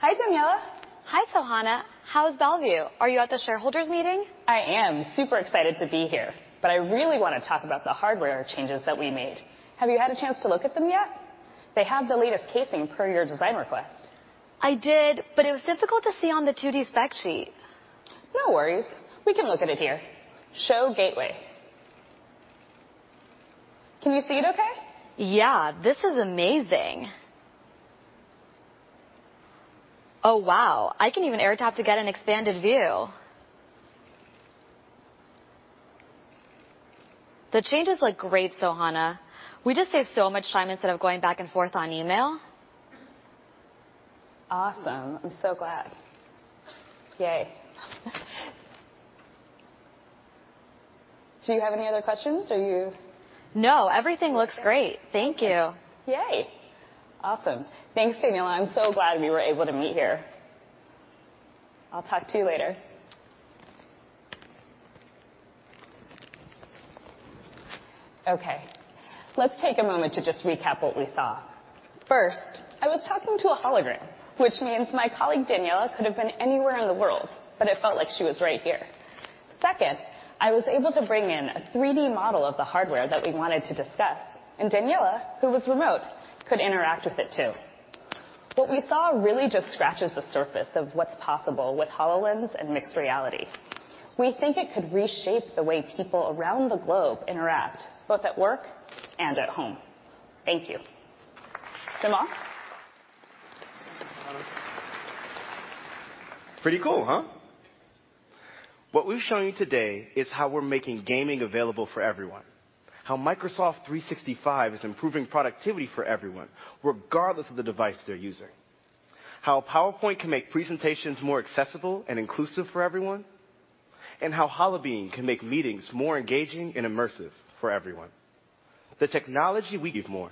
Hi, Daniella. Hi, Sohana. How's Bellevue? Are you at the shareholders meeting? I am. Super excited to be here. I really want to talk about the hardware changes that we made. Have you had a chance to look at them yet? They have the latest casing per your design request. I did, but it was difficult to see on the 2D spec sheet. No worries. We can look at it here. Show gateway. Can you see it okay? Yeah. This is amazing. Oh, wow. I can even Air Tap to get an expanded view. The changes look great, Sohana. We just saved so much time instead of going back and forth on email. Awesome. I'm so glad. Yay. Do you have any other questions? No, everything looks great. Thank you. Yay. Awesome. Thanks, Daniella. I'm so glad we were able to meet here. I'll talk to you later. Okay. Let's take a moment to just recap what we saw. First, I was talking to a hologram, which means my colleague, Daniella, could've been anywhere in the world, but it felt like she was right here. Second, I was able to bring in a 3D model of the hardware that we wanted to discuss, and Daniella, who was remote, could interact with it, too. What we saw really just scratches the surface of what's possible with HoloLens and mixed reality. We think it could reshape the way people around the globe interact, both at work and at home. Thank you. Jamal? Pretty cool, huh? What we've shown you today is how we're making gaming available for everyone, how Microsoft 365 is improving productivity for everyone, regardless of the device they're using, how PowerPoint can make presentations more accessible and inclusive for everyone, and how HoloBeam can make meetings more engaging and immersive for everyone. The technology we give more.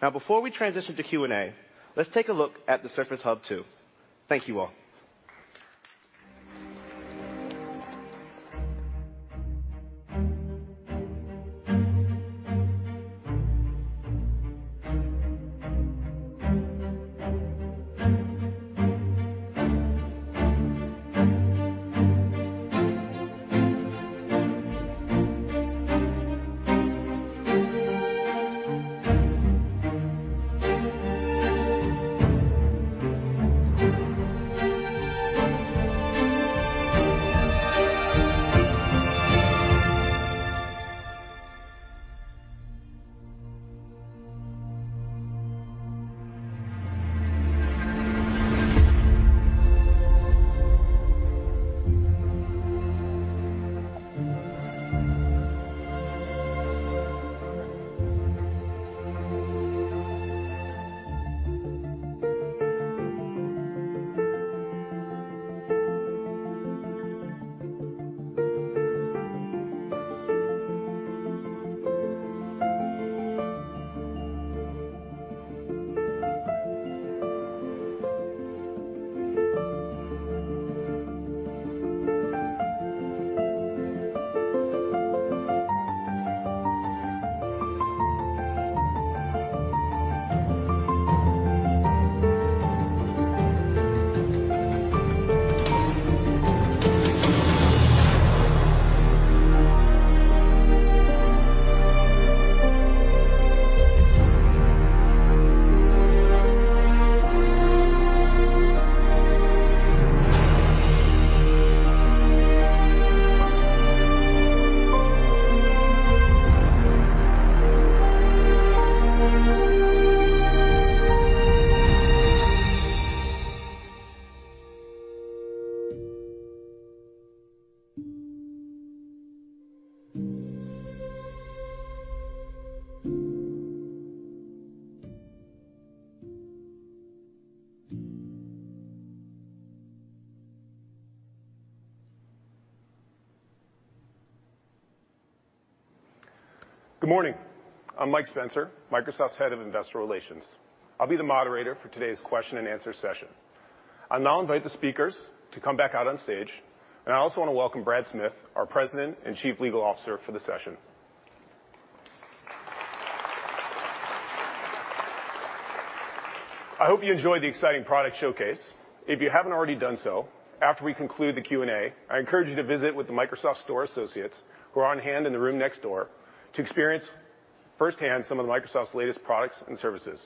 Before we transition to Q&A, let's take a look at the Surface Hub 2. Thank you, all. Good morning. I'm Michael Spencer, Microsoft's Head of Investor Relations. I'll be the moderator for today's question and answer session. I also want to welcome Brad Smith, our President and Chief Legal Officer for the session. I hope you enjoyed the exciting product showcase. If you haven't already done so, after we conclude the Q&A, I encourage you to visit with the Microsoft Store associates, who are on hand in the room next door, to experience firsthand some of Microsoft's latest products and services.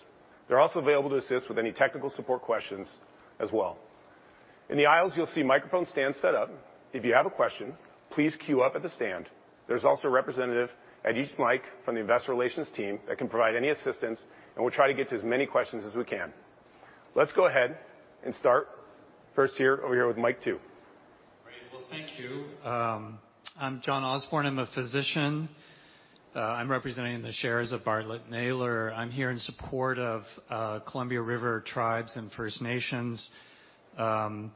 They're also available to assist with any technical support questions as well. In the aisles, you'll see microphone stands set up. If you have a question, please queue up at the stand. There's also a representative at each mic from the investor relations team that can provide any assistance, and we'll try to get to as many questions as we can. Let's go ahead and start first over here with mic 2. Great. Well, thank you. I'm John Osborne, I'm a physician. I'm representing the shares of Bartlett Naylor. I'm here in support of Columbia River Tribes and First Nations. I'm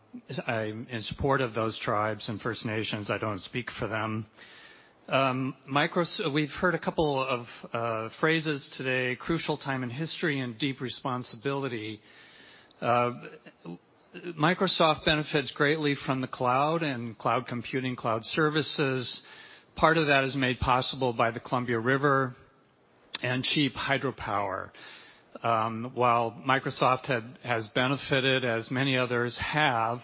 in support of those tribes and First Nations. I don't speak for them. We've heard a couple of phrases today, crucial time in history and deep responsibility. Microsoft benefits greatly from the cloud and cloud computing, cloud services. Part of that is made possible by the Columbia River and cheap hydropower. While Microsoft has benefited, as many others have,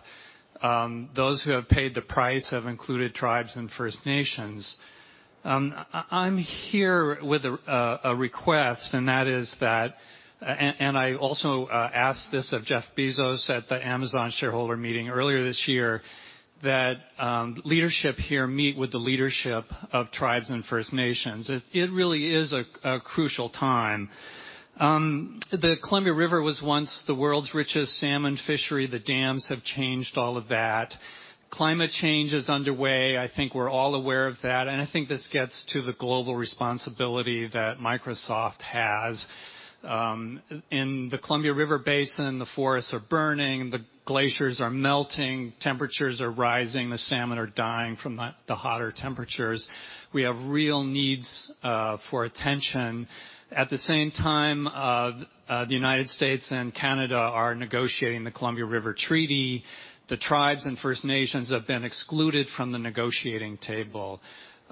those who have paid the price have included tribes and First Nations. I'm here with a request, and I also asked this of Jeff Bezos at the Amazon shareholder meeting earlier this year, that leadership here meet with the leadership of tribes and First Nations. It really is a crucial time. The Columbia River was once the world's richest salmon fishery. The dams have changed all of that. Climate change is underway. I think we're all aware of that, and I think this gets to the global responsibility that Microsoft has. In the Columbia River basin, the forests are burning, the glaciers are melting, temperatures are rising, the salmon are dying from the hotter temperatures. We have real needs for attention. At the same time, the United States and Canada are negotiating the Columbia River Treaty. The tribes and First Nations have been excluded from the negotiating table.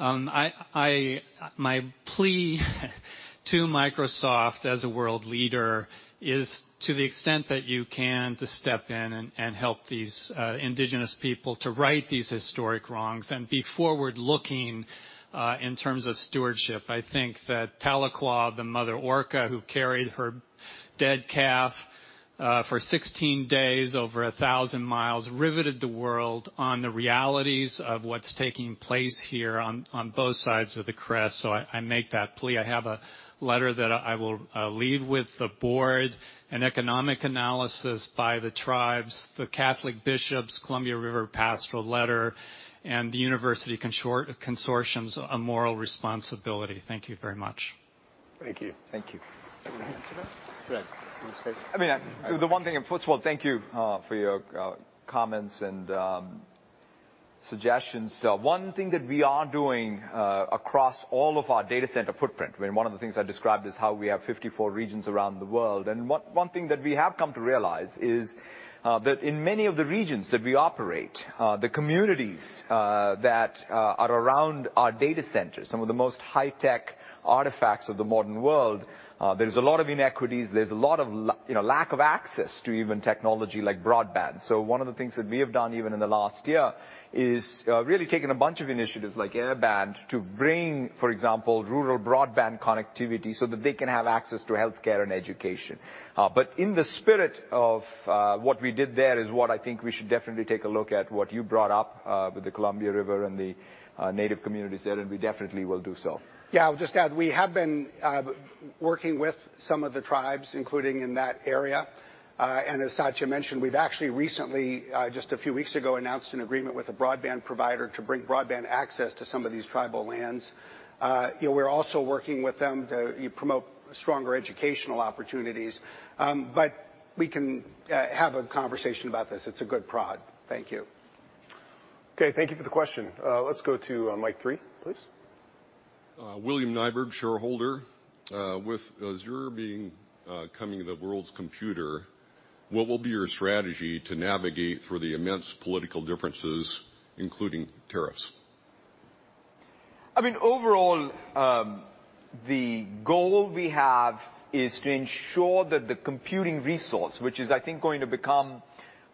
My plea to Microsoft as a world leader is, to the extent that you can, to step in and help these indigenous people to right these historic wrongs and be forward-looking, in terms of stewardship. I think that Tahlequah, the mother orca who carried her dead calf for 16 days over 1,000 miles, riveted the world on the realities of what's taking place here on both sides of the crest. I have a letter that I will leave with the board, an economic analysis by the tribes, the Catholic bishops, Columbia River Pastoral Letter, and the university consortiums a moral responsibility. Thank you very much. Thank you. Thank you. Brad, you want to. The one thing, first of all, thank you for your comments and suggestions. One thing that we are doing across all of our data center footprint, one of the things I described is how we have 54 regions around the world. One thing that we have come to realize is that in many of the regions that we operate, the communities that are around our data centers, some of the most high-tech artifacts of the modern world, there's a lot of inequities. There's a lot of lack of access to even technology like broadband. One of the things that we have done even in the last year is really taken a bunch of initiatives like Airband to bring, for example, rural broadband connectivity so that they can have access to healthcare and education. In the spirit of what we did there is what I think we should definitely take a look at what you brought up with the Columbia River and the native communities there, and we definitely will do so. Yeah. I'll just add, we have been working with some of the tribes, including in that area. As Satya mentioned, we've actually recently, just a few weeks ago, announced an agreement with a broadband provider to bring broadband access to some of these tribal lands. We're also working with them to promote stronger educational opportunities. We can have a conversation about this. It's a good prod. Thank you. Okay, thank you for the question. Let's go to mic three, please. William Nyberg, shareholder. With Azure becoming the world's computer, what will be your strategy to navigate through the immense political differences, including tariffs? The goal we have is to ensure that the computing resource, which is, I think, going to become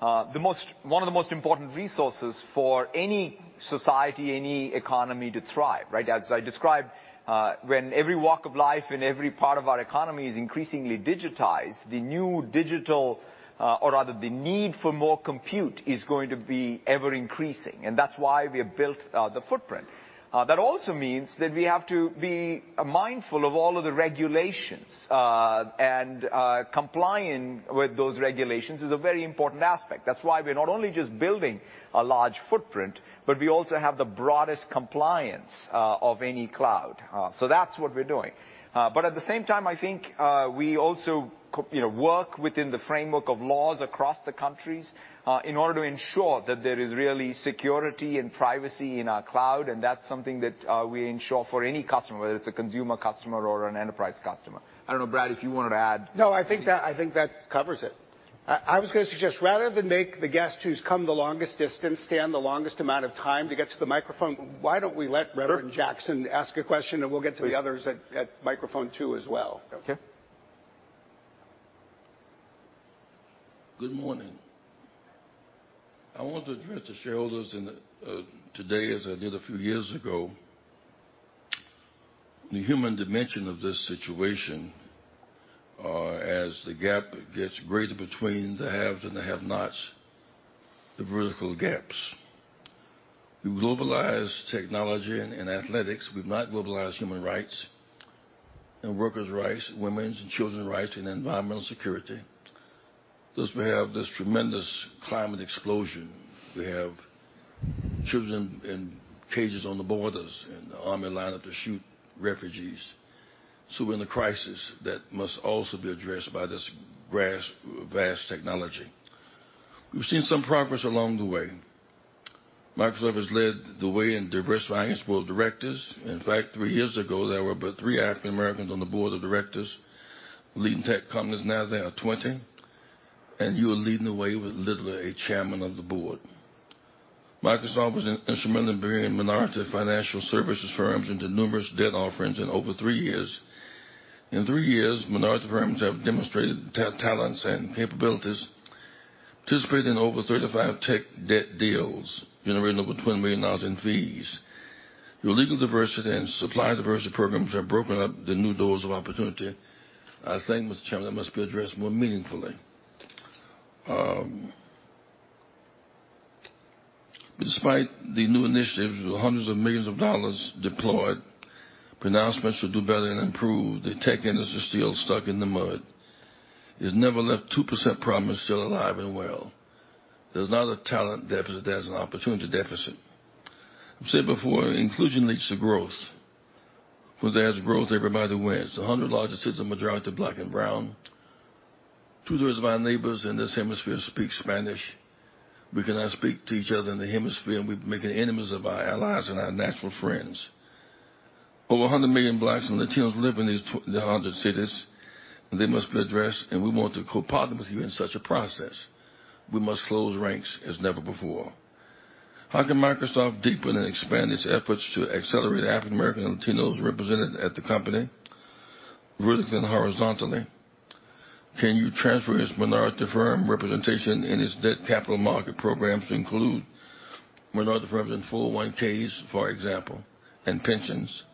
one of the most important resources for any society, any economy to thrive. As I described, when every walk of life in every part of our economy is increasingly digitized, the new digital, or rather the need for more compute, is going to be ever increasing, that's why we have built the footprint. That also means that we have to be mindful of all of the regulations. Complying with those regulations is a very important aspect. That's why we're not only just building a large footprint, we also have the broadest compliance of any cloud. That's what we're doing. At the same time, I think we also work within the framework of laws across the countries in order to ensure that there is really security and privacy in our cloud, that's something that we ensure for any customer, whether it's a consumer customer or an enterprise customer. I don't know, Brad, if you wanted to add. No, I think that covers it. I was going to suggest, rather than make the guest who's come the longest distance stand the longest amount of time to get to the microphone, why don't we let Jesse Jackson ask a question, we'll get to the others at microphone two as well. Okay. Good morning. I want to address the shareholders today as I did a few years ago. The human dimension of this situation, as the gap gets greater between the haves and the have-nots, the vertical gaps. We've globalized technology and athletics. We've not globalized human rights and workers' rights, women's and children's rights, and environmental security. Thus, we have this tremendous climate explosion. We have children in cages on the borders and the army lining up to shoot refugees. We're in a crisis that must also be addressed by this vast technology. We've seen some progress along the way. Microsoft has led the way in diversifying its board of directors. In fact, three years ago, there were but three African Americans on the board of directors. Leading tech companies, now there are 20. You are leading the way with literally a chairman of the board. Microsoft was instrumental in bringing minority financial services firms into numerous debt offerings in over 3 years. In 3 years, minority firms have demonstrated talents and capabilities, participating in over 35 tech debt deals, generating over $20 million in fees. Your legal diversity and supply diversity programs have broken up the new doors of opportunity. I think, Mr. Chairman, that must be addressed more meaningfully. Despite the new initiatives, with hundreds of millions of dollars deployed, pronouncements to do better and improve, the tech industry is still stuck in the mud. This never left 2% promise still alive and well. There's not a talent deficit, there's an opportunity deficit. I've said before, inclusion leads to growth. Where there's growth, everybody wins. The 100 largest cities are majority Black and brown. Two-thirds of our neighbors in this hemisphere speak Spanish. We cannot speak to each other in the hemisphere, and we've been making enemies of our allies and our natural friends. Over 100 million Blacks and Latinos live in these 100 cities, and they must be addressed, and we want to co-partner with you in such a process. We must close ranks as never before. How can Microsoft deepen and expand its efforts to accelerate African American and Latinos represented at the company vertically and horizontally? Can you transfer its minority firm representation and its debt capital market programs to include minority firms in 401s, for example, and pensions?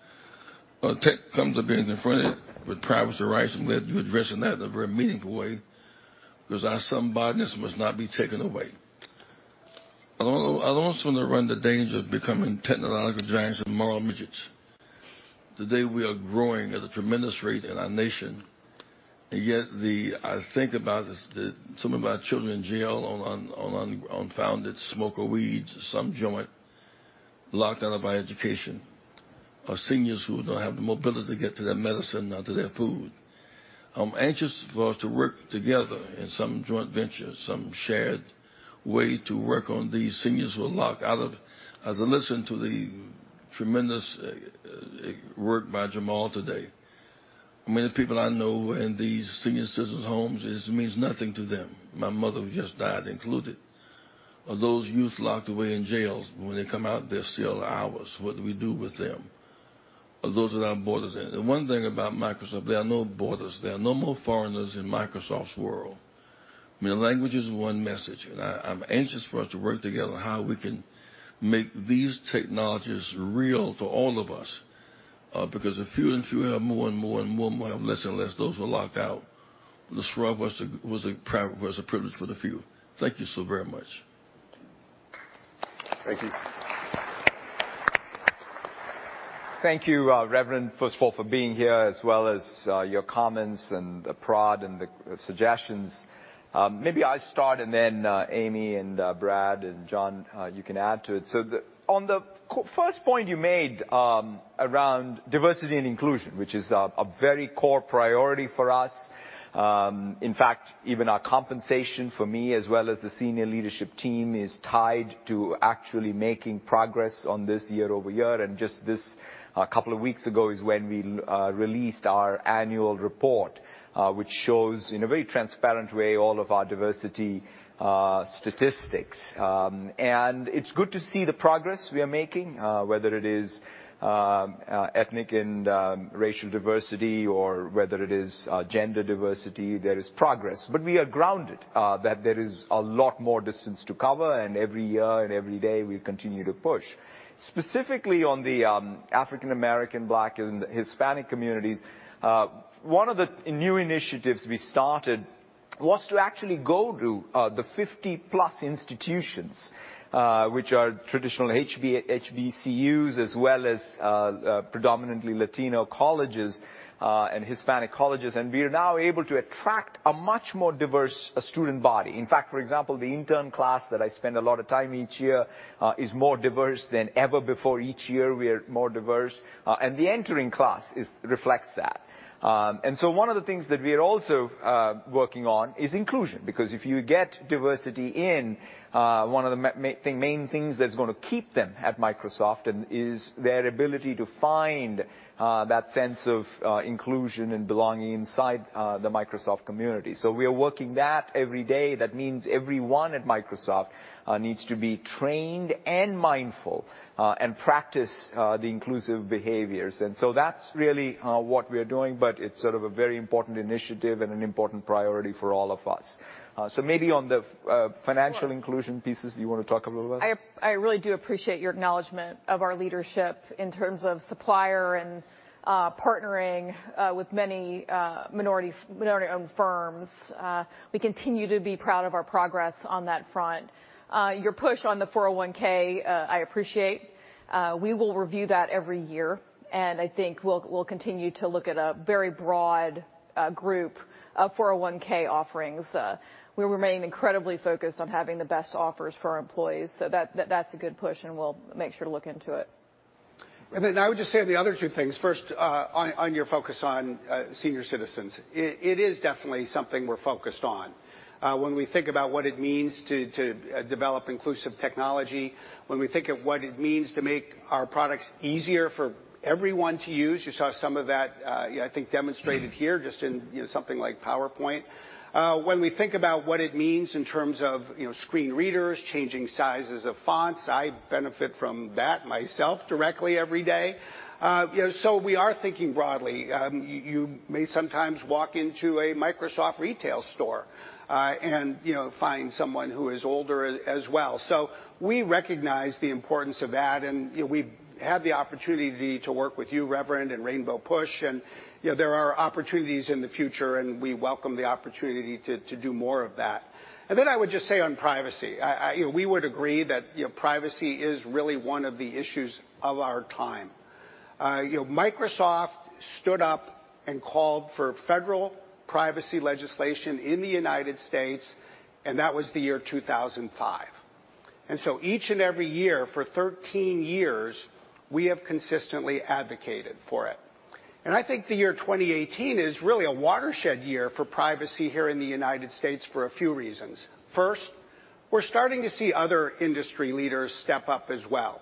Tech comes up being confronted with privacy rights, and I'm glad you're addressing that in a very meaningful way, because our somebody-ness must not be taken away. I don't want us to run the danger of becoming technological giants and moral midgets. Today, we are growing at a tremendous rate in our nation. Yet, I think about some of our children in jail on unfounded smoke of weed, some joint, locked out of our education. Our seniors who don't have the mobility to get to their medicine nor to their food. I'm anxious for us to work together in some joint venture, some shared way to work on these seniors who are locked out of. As I listen to the tremendous work by Jamal today, many people I know in these senior citizens homes, this means nothing to them. My mother, who just died, included. Those youth locked away in jails, when they come out, they're still ours. What do we do with them? Those at our borders. The one thing about Microsoft, there are no borders. There are no more foreigners in Microsoft's world. Language is one message. I'm anxious for us to work together on how we can make these technologies real to all of us. The fewer and fewer have more and more and more, more have less and less. Those are locked out. This rug was a privilege for the few. Thank you so very much. Thank you. Thank you, Reverend, first of all, for being here, as well as your comments and the prod and the suggestions. Maybe I start and then Amy and Brad and John, you can add to it. On the first point you made around diversity and inclusion, which is a very core priority for us. In fact, even our compensation for me, as well as the senior leadership team, is tied to actually making progress on this year-over-year. Just this couple of weeks ago is when we released our annual report, which shows, in a very transparent way, all of our diversity statistics. It's good to see the progress we are making, whether it is ethnic and racial diversity or whether it is gender diversity, there is progress. We are grounded that there is a lot more distance to cover, and every year and every day, we continue to push. Specifically on the African American, Black, and Hispanic communities, one of the new initiatives we started was to actually go to the 50-plus institutions, which are traditional HBCUs as well as predominantly Latino colleges, and Hispanic colleges. We are now able to attract a much more diverse student body. In fact, for example, the intern class that I spend a lot of time each year is more diverse than ever before. Each year, we are more diverse. The entering class reflects that. One of the things that we're also working on is inclusion. Because if you get diversity in, one of the main things that's going to keep them at Microsoft is their ability to find that sense of inclusion and belonging inside the Microsoft community. We are working that every day. That means everyone at Microsoft needs to be trained and mindful, and practice the inclusive behaviors. That's really what we are doing, but it's sort of a very important initiative and an important priority for all of us. Maybe on the financial inclusion pieces, do you want to talk a little about it? I really do appreciate your acknowledgment of our leadership in terms of supplier and partnering with many minority-owned firms. We continue to be proud of our progress on that front. Your push on the 401, I appreciate. We will review that every year, and I think we'll continue to look at a very broad group of 401 offerings. We remain incredibly focused on having the best offers for our employees, so that's a good push, and we'll make sure to look into it. I would just say on the other two things, first, on your focus on senior citizens. It is definitely something we're focused on. When we think about what it means to develop inclusive technology, when we think of what it means to make our products easier for everyone to use, you saw some of that I think demonstrated here just in something like PowerPoint. When we think about what it means in terms of screen readers, changing sizes of fonts, I benefit from that myself directly every day. We are thinking broadly. You may sometimes walk into a Microsoft Store and find someone who is older as well. We recognize the importance of that, and we've had the opportunity to work with you, Reverend, and Rainbow Push, and there are opportunities in the future, and we welcome the opportunity to do more of that. I would just say on privacy, we would agree that privacy is really one of the issues of our time. Microsoft stood up and called for federal privacy legislation in the United States, and that was the year 2005. Each and every year for 13 years, we have consistently advocated for it. I think the year 2018 is really a watershed year for privacy here in the United States for a few reasons. First, we're starting to see other industry leaders step up as well.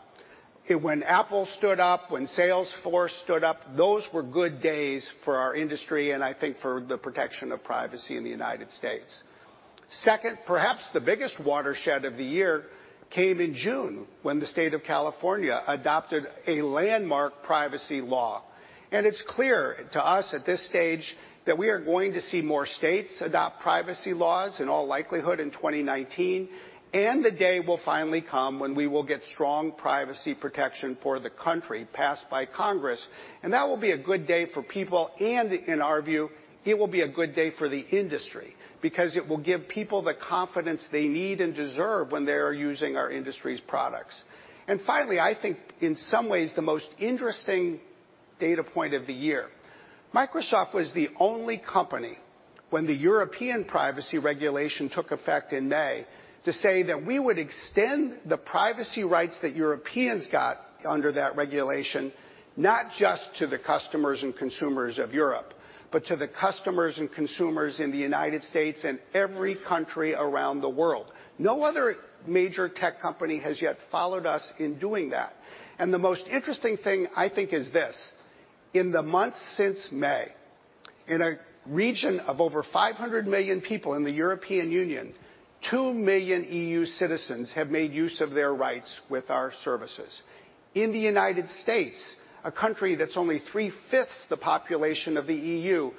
When Apple stood up, when Salesforce stood up, those were good days for our industry, and I think for the protection of privacy in the United States. Second, perhaps the biggest watershed of the year came in June when the state of California adopted a landmark privacy law. It's clear to us at this stage that we are going to see more states adopt privacy laws in all likelihood in 2019. The day will finally come when we will get strong privacy protection for the country passed by Congress. That will be a good day for people, and in our view, it will be a good day for the industry because it will give people the confidence they need and deserve when they are using our industry's products. Finally, I think in some ways, the most interesting data point of the year. Microsoft was the only company when the European Privacy Regulation took effect in May, to say that we would extend the privacy rights that Europeans got under that regulation, not just to the customers and consumers of Europe, but to the customers and consumers in the United States and every country around the world. No other major tech company has yet followed us in doing that. The most interesting thing I think is this. In the months since May, in a region of over 500 million people in the European Union, two million EU citizens have made use of their rights with our services. In the United States, a country that's only three-fifths the population of the EU,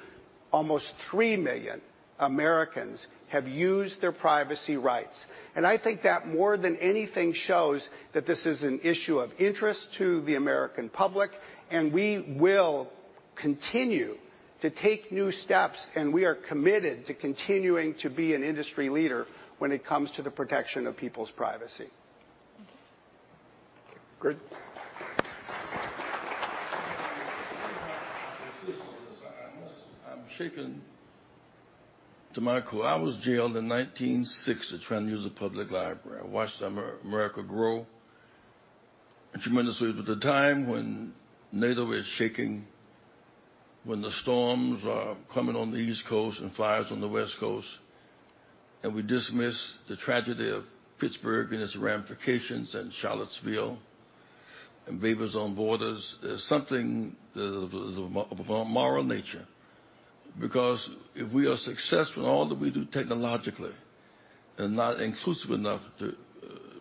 almost three million Americans have used their privacy rights. I think that more than anything shows that this is an issue of interest to the American public. We will continue to take new steps. We are committed to continuing to be an industry leader when it comes to the protection of people's privacy. Thank you. Great. I'm shaken to my core. I was jailed in 1960 trying to use a public library. I watched America grow tremendously. At the time when NATO is shaking, when the storms are coming on the East Coast and fires on the West Coast, we dismiss the tragedy of Pittsburgh and its ramifications and Charlottesville and babies on borders. There's something of a moral nature because if we are successful in all that we do technologically and not inclusive enough to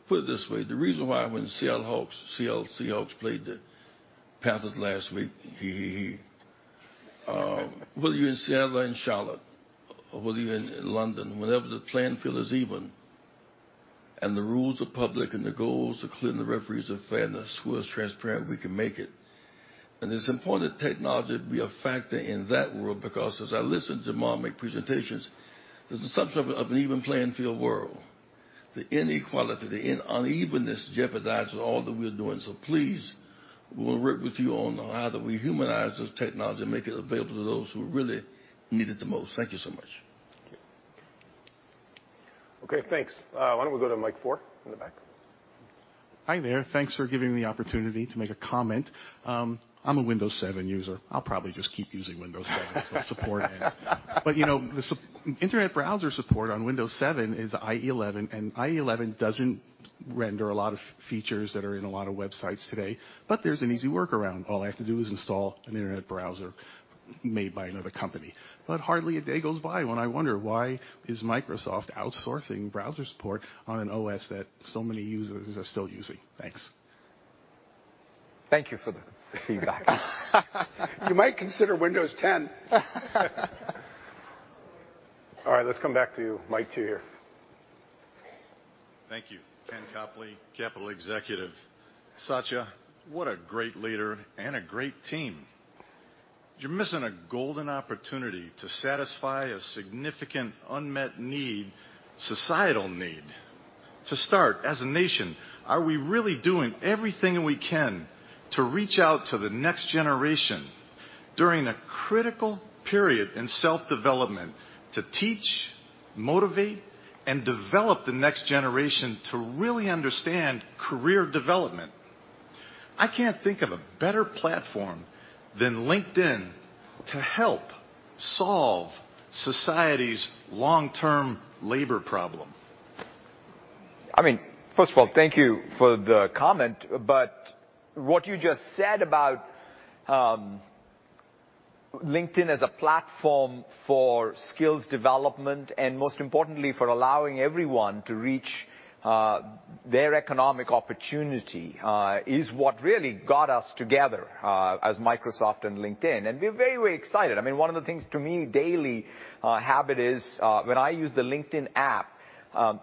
put it this way, the reason why when Seahawks played the Panthers last week, whether you're in Seattle or in Charlotte, or whether you're in London, whenever the playing field is even, the rules are public, the goals are clear, the referees are fair, and the score is transparent, we can make it. It's important that technology be a factor in that world because as I listen to Chris Capossela make presentations, there's an assumption of an even playing field world. The inequality, the unevenness jeopardizes all that we're doing. Please, we'll work with you on how do we humanize this technology and make it available to those who really need it the most. Thank you so much. Okay, thanks. Why don't we go to mic four in the back? Hi there. Thanks for giving me the opportunity to make a comment. I'm a Windows 7 user. I'll probably just keep using Windows 7 till support ends. The internet browser support on Windows 7 is IE11. IE11 doesn't render a lot of features that are in a lot of websites today. There's an easy workaround. All I have to do is install an internet browser made by another company. Hardly a day goes by when I wonder why is Microsoft outsourcing browser support on an OS that so many users are still using. Thanks. Thank you for the feedback. You might consider Windows 10. All right, let's come back to you, mic two here. Thank you. Ken Copley, Capital Executive. Satya, what a great leader and a great team. You're missing a golden opportunity to satisfy a significant unmet need, societal need. As a nation, are we really doing everything we can to reach out to the next generation during a critical period in self-development to teach, motivate, and develop the next generation to really understand career development? I can't think of a better platform than LinkedIn to help solve society's long-term labor problem. First of all, thank you for the comment. What you just said about LinkedIn as a platform for skills development, and most importantly, for allowing everyone to reach their economic opportunity, is what really got us together, as Microsoft and LinkedIn. We're very excited. One of the things to me, daily habit is, when I use the LinkedIn app,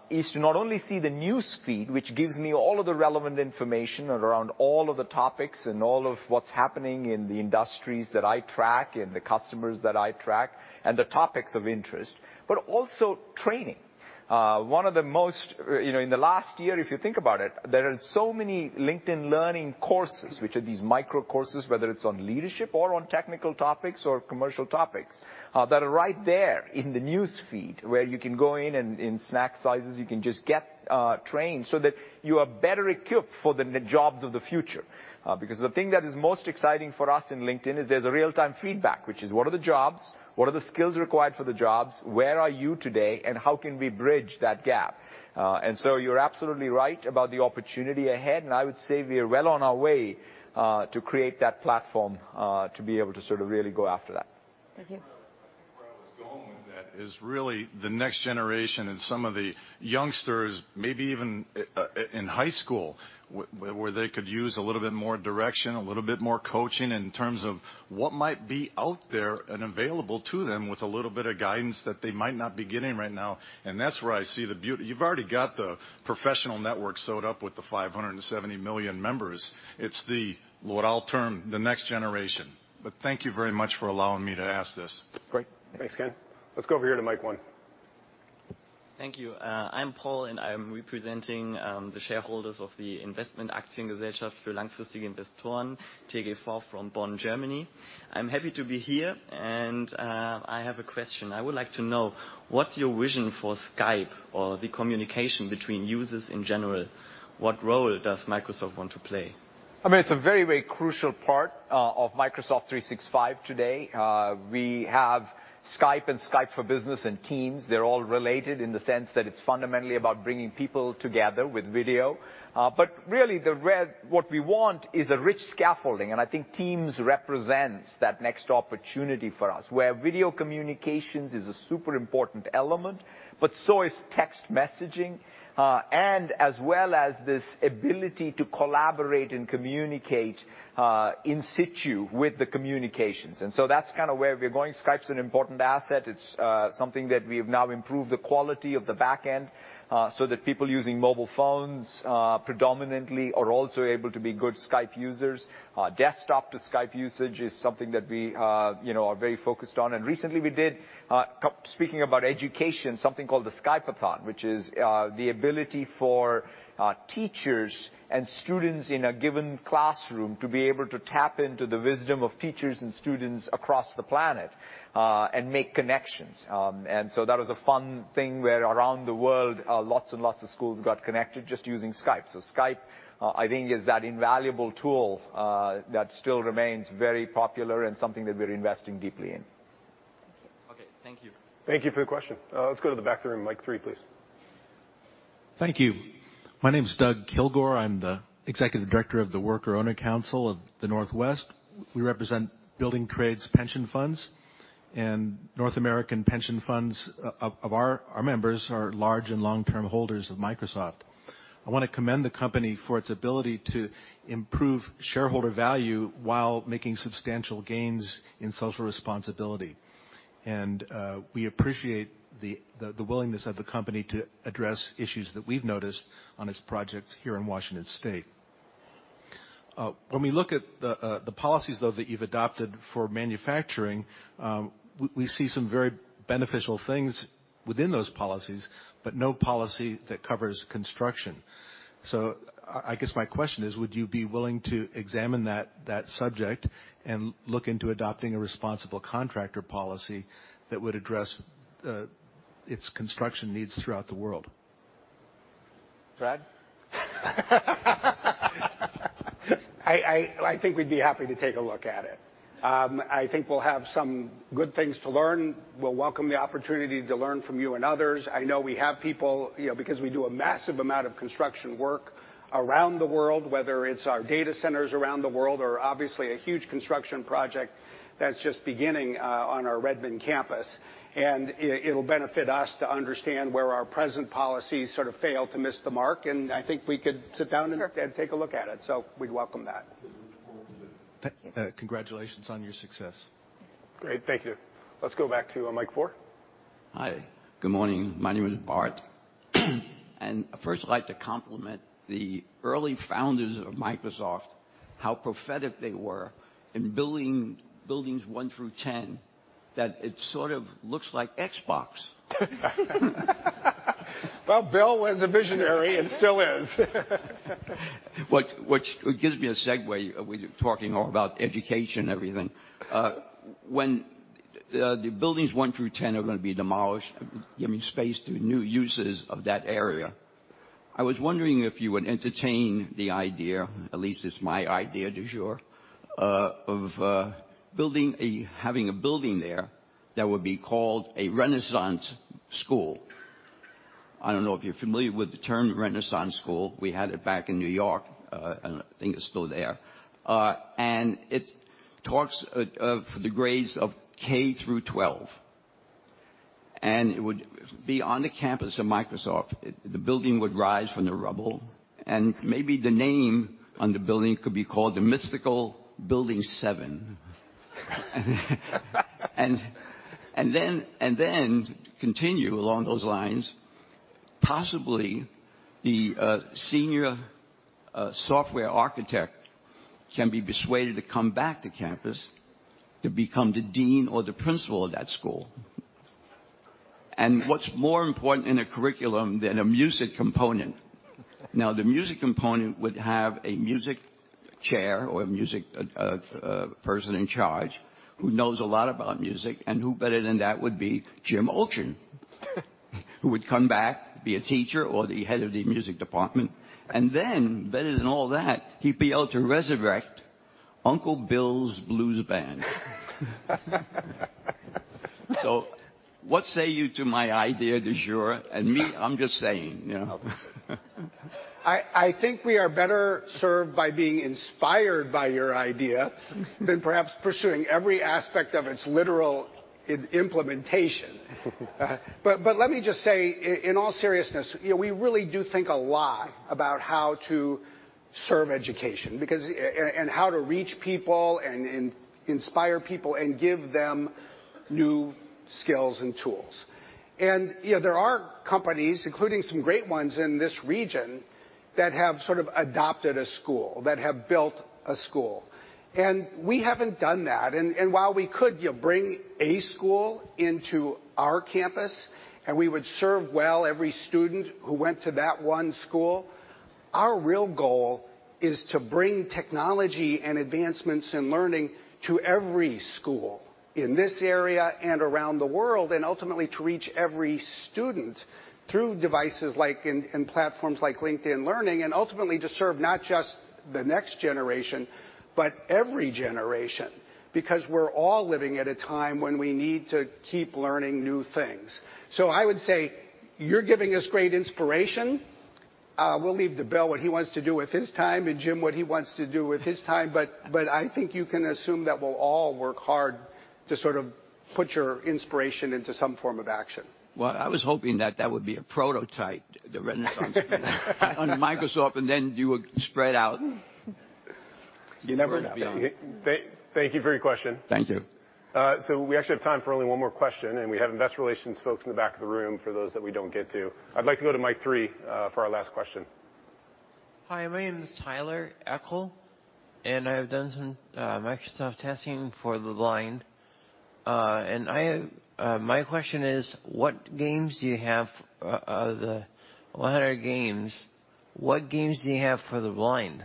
is to not only see the newsfeed, which gives me all of the relevant information around all of the topics and all of what's happening in the industries that I track and the customers that I track and the topics of interest, but also training. In the last year, if you think about it, there are so many LinkedIn Learning courses, which are these micro courses, whether it's on leadership or on technical topics or commercial topics, that are right there in the newsfeed where you can go in and in snack sizes, you can just get trained so that you are better equipped for the jobs of the future. The thing that is most exciting for us in LinkedIn is there's a real-time feedback, which is what are the jobs, what are the skills required for the jobs, where are you today, and how can we bridge that gap? You're absolutely right about the opportunity ahead, and I would say we are well on our way, to create that platform, to be able to sort of really go after that. Thank you. Where I was going with that is really the next generation and some of the youngsters, maybe even in high school, where they could use a little bit more direction, a little bit more coaching in terms of what might be out there and available to them with a little bit of guidance that they might not be getting right now. That's where I see the beauty. You've already got the professional network sewed up with the 570 million members. It's what I'll term the next generation. Thank you very much for allowing me to ask this. Great. Thanks, Ken. Let's go over here to mic one. Thank you. I'm Paul, I am representing the shareholders of the Investmentaktiengesellschaft für langfristige Investoren TGV from Bonn, Germany. I'm happy to be here, I have a question. I would like to know, what's your vision for Skype or the communication between users in general? What role does Microsoft want to play? It's a very crucial part of Microsoft 365 today. We have Skype and Skype for Business and Teams. They're all related in the sense that it's fundamentally about bringing people together with video. Really, what we want is a rich scaffolding, and I think Teams represents that next opportunity for us, where video communications is a super important element, but so is text messaging, as well as this ability to collaborate and communicate in situ with the communications. That's kind of where we're going. Skype's an important asset. It's something that we have now improved the quality of the back end, so that people using mobile phones predominantly are also able to be good Skype users. Desktop to Skype usage is something that we are very focused on. Recently we did, speaking about education, something called the Skype-a-thon, which is the ability for teachers and students in a given classroom to be able to tap into the wisdom of teachers and students across the planet, and make connections. That was a fun thing where around the world, lots and lots of schools got connected just using Skype. Skype, I think, is that invaluable tool that still remains very popular and something that we're investing deeply in. Okay. Thank you. Thank you for your question. Let's go to the back of the room, mic three, please. Thank you. My name's Doug Kilgore. I'm the Executive Director of the Worker Owner Council of the Northwest. We represent building trades pension funds. North American pension funds of our members are large and long-term holders of Microsoft. I want to commend the company for its ability to improve shareholder value while making substantial gains in social responsibility. We appreciate the willingness of the company to address issues that we've noticed on its projects here in Washington State. When we look at the policies, though, that you've adopted for manufacturing, we see some very beneficial things within those policies, no policy that covers construction. I guess my question is, would you be willing to examine that subject and look into adopting a responsible contractor policy that would address its construction needs throughout the world? Brad? I think we'd be happy to take a look at it. I think we'll have some good things to learn. We'll welcome the opportunity to learn from you and others. I know we have people, because we do a massive amount of construction work around the world, whether it's our data centers around the world or obviously a huge construction project that's just beginning on our Redmond campus. It'll benefit us to understand where our present policies sort of failed to miss the mark, I think we could sit down. Sure Take a look at it. We'd welcome that. Congratulations on your success. Great. Thank you. Let's go back to mic four. Hi. Good morning. My name is Bart. First I'd like to compliment the early founders of Microsoft, how prophetic they were in building Buildings one through 10, that it sort of looks like Xbox. Well, Bill was a visionary and still is. Which gives me a segue, we were talking all about education and everything. When the Buildings 1 through 10 are going to be demolished, giving space to new uses of that area. I was wondering if you would entertain the idea, at least it's my idea du jour, of having a building there that would be called a Renaissance School. I don't know if you're familiar with the term Renaissance School. We had it back in New York, and I think it's still there. It taught the grades of K through 12. It would be on the campus of Microsoft. The building would rise from the rubble, and maybe the name on the building could be called the Mystical Building 7. Continue along those lines, possibly the senior software architect can be persuaded to come back to campus to become the dean or the principal of that school. What's more important in a curriculum than a music component? Now, the music component would have a music chair or a music person in charge who knows a lot about music, and who better than that would be Jim Allchin. Who would come back, be a teacher or the head of the music department. Better than all that, he'd be able to resurrect Uncle Bill's Blues Band. What say you to my idea du jour? Me, I'm just saying. I think we are better served by being inspired by your idea than perhaps pursuing every aspect of its literal implementation. Let me just say, in all seriousness, we really do think a lot about how to serve education and how to reach people and inspire people and give them new skills and tools. There are companies, including some great ones in this region, that have sort of adopted a school, that have built a school. We haven't done that. While we could bring a school into our campus, and we would serve well every student who went to that one school, our real goal is to bring technology and advancements in learning to every school in this area and around the world, and ultimately to reach every student through devices and platforms like LinkedIn Learning. Ultimately to serve not just the next generation, but every generation, because we're all living at a time when we need to keep learning new things. I would say you're giving us great inspiration. We'll leave to Bill what he wants to do with his time and Jim what he wants to do with his time. I think you can assume that we'll all work hard to sort of put your inspiration into some form of action. I was hoping that that would be a prototype, the Renaissance under Microsoft, and then you would spread out. Thank you for your question. Thank you. We actually have time for only one more question, and we have investor relations folks in the back of the room for those that we don't get to. I'd like to go to mic three for our last question. My name is Tyler Eckel, I have done some Microsoft testing for the blind. My question is, out of the 100 games, what games do you have for the blind?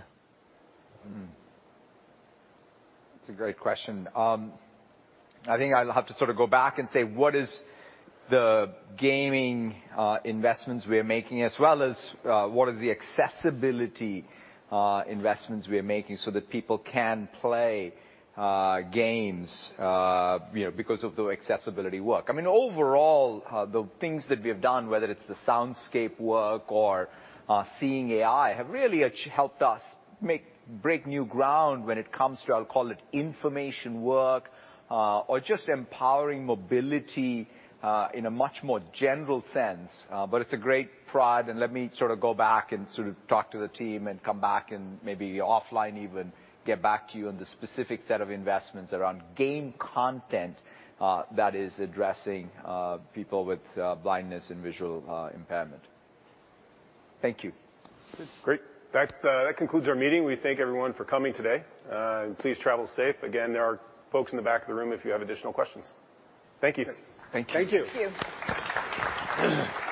That's a great question. I think I'll have to go back and say, what is the gaming investments we are making, as well as what are the accessibility investments we are making so that people can play games because of the accessibility work. I mean, overall, the things that we have done, whether it's the Soundscape work or Seeing AI, have really helped us break new ground when it comes to, I'll call it information work or just empowering mobility in a much more general sense. It's a great prod, let me go back and talk to the team and come back and maybe offline even get back to you on the specific set of investments around game content that is addressing people with blindness and visual impairment. Thank you. Great. That concludes our meeting. We thank everyone for coming today. Please travel safe. Again, there are folks in the back of the room if you have additional questions. Thank you. Thank you. Thank you.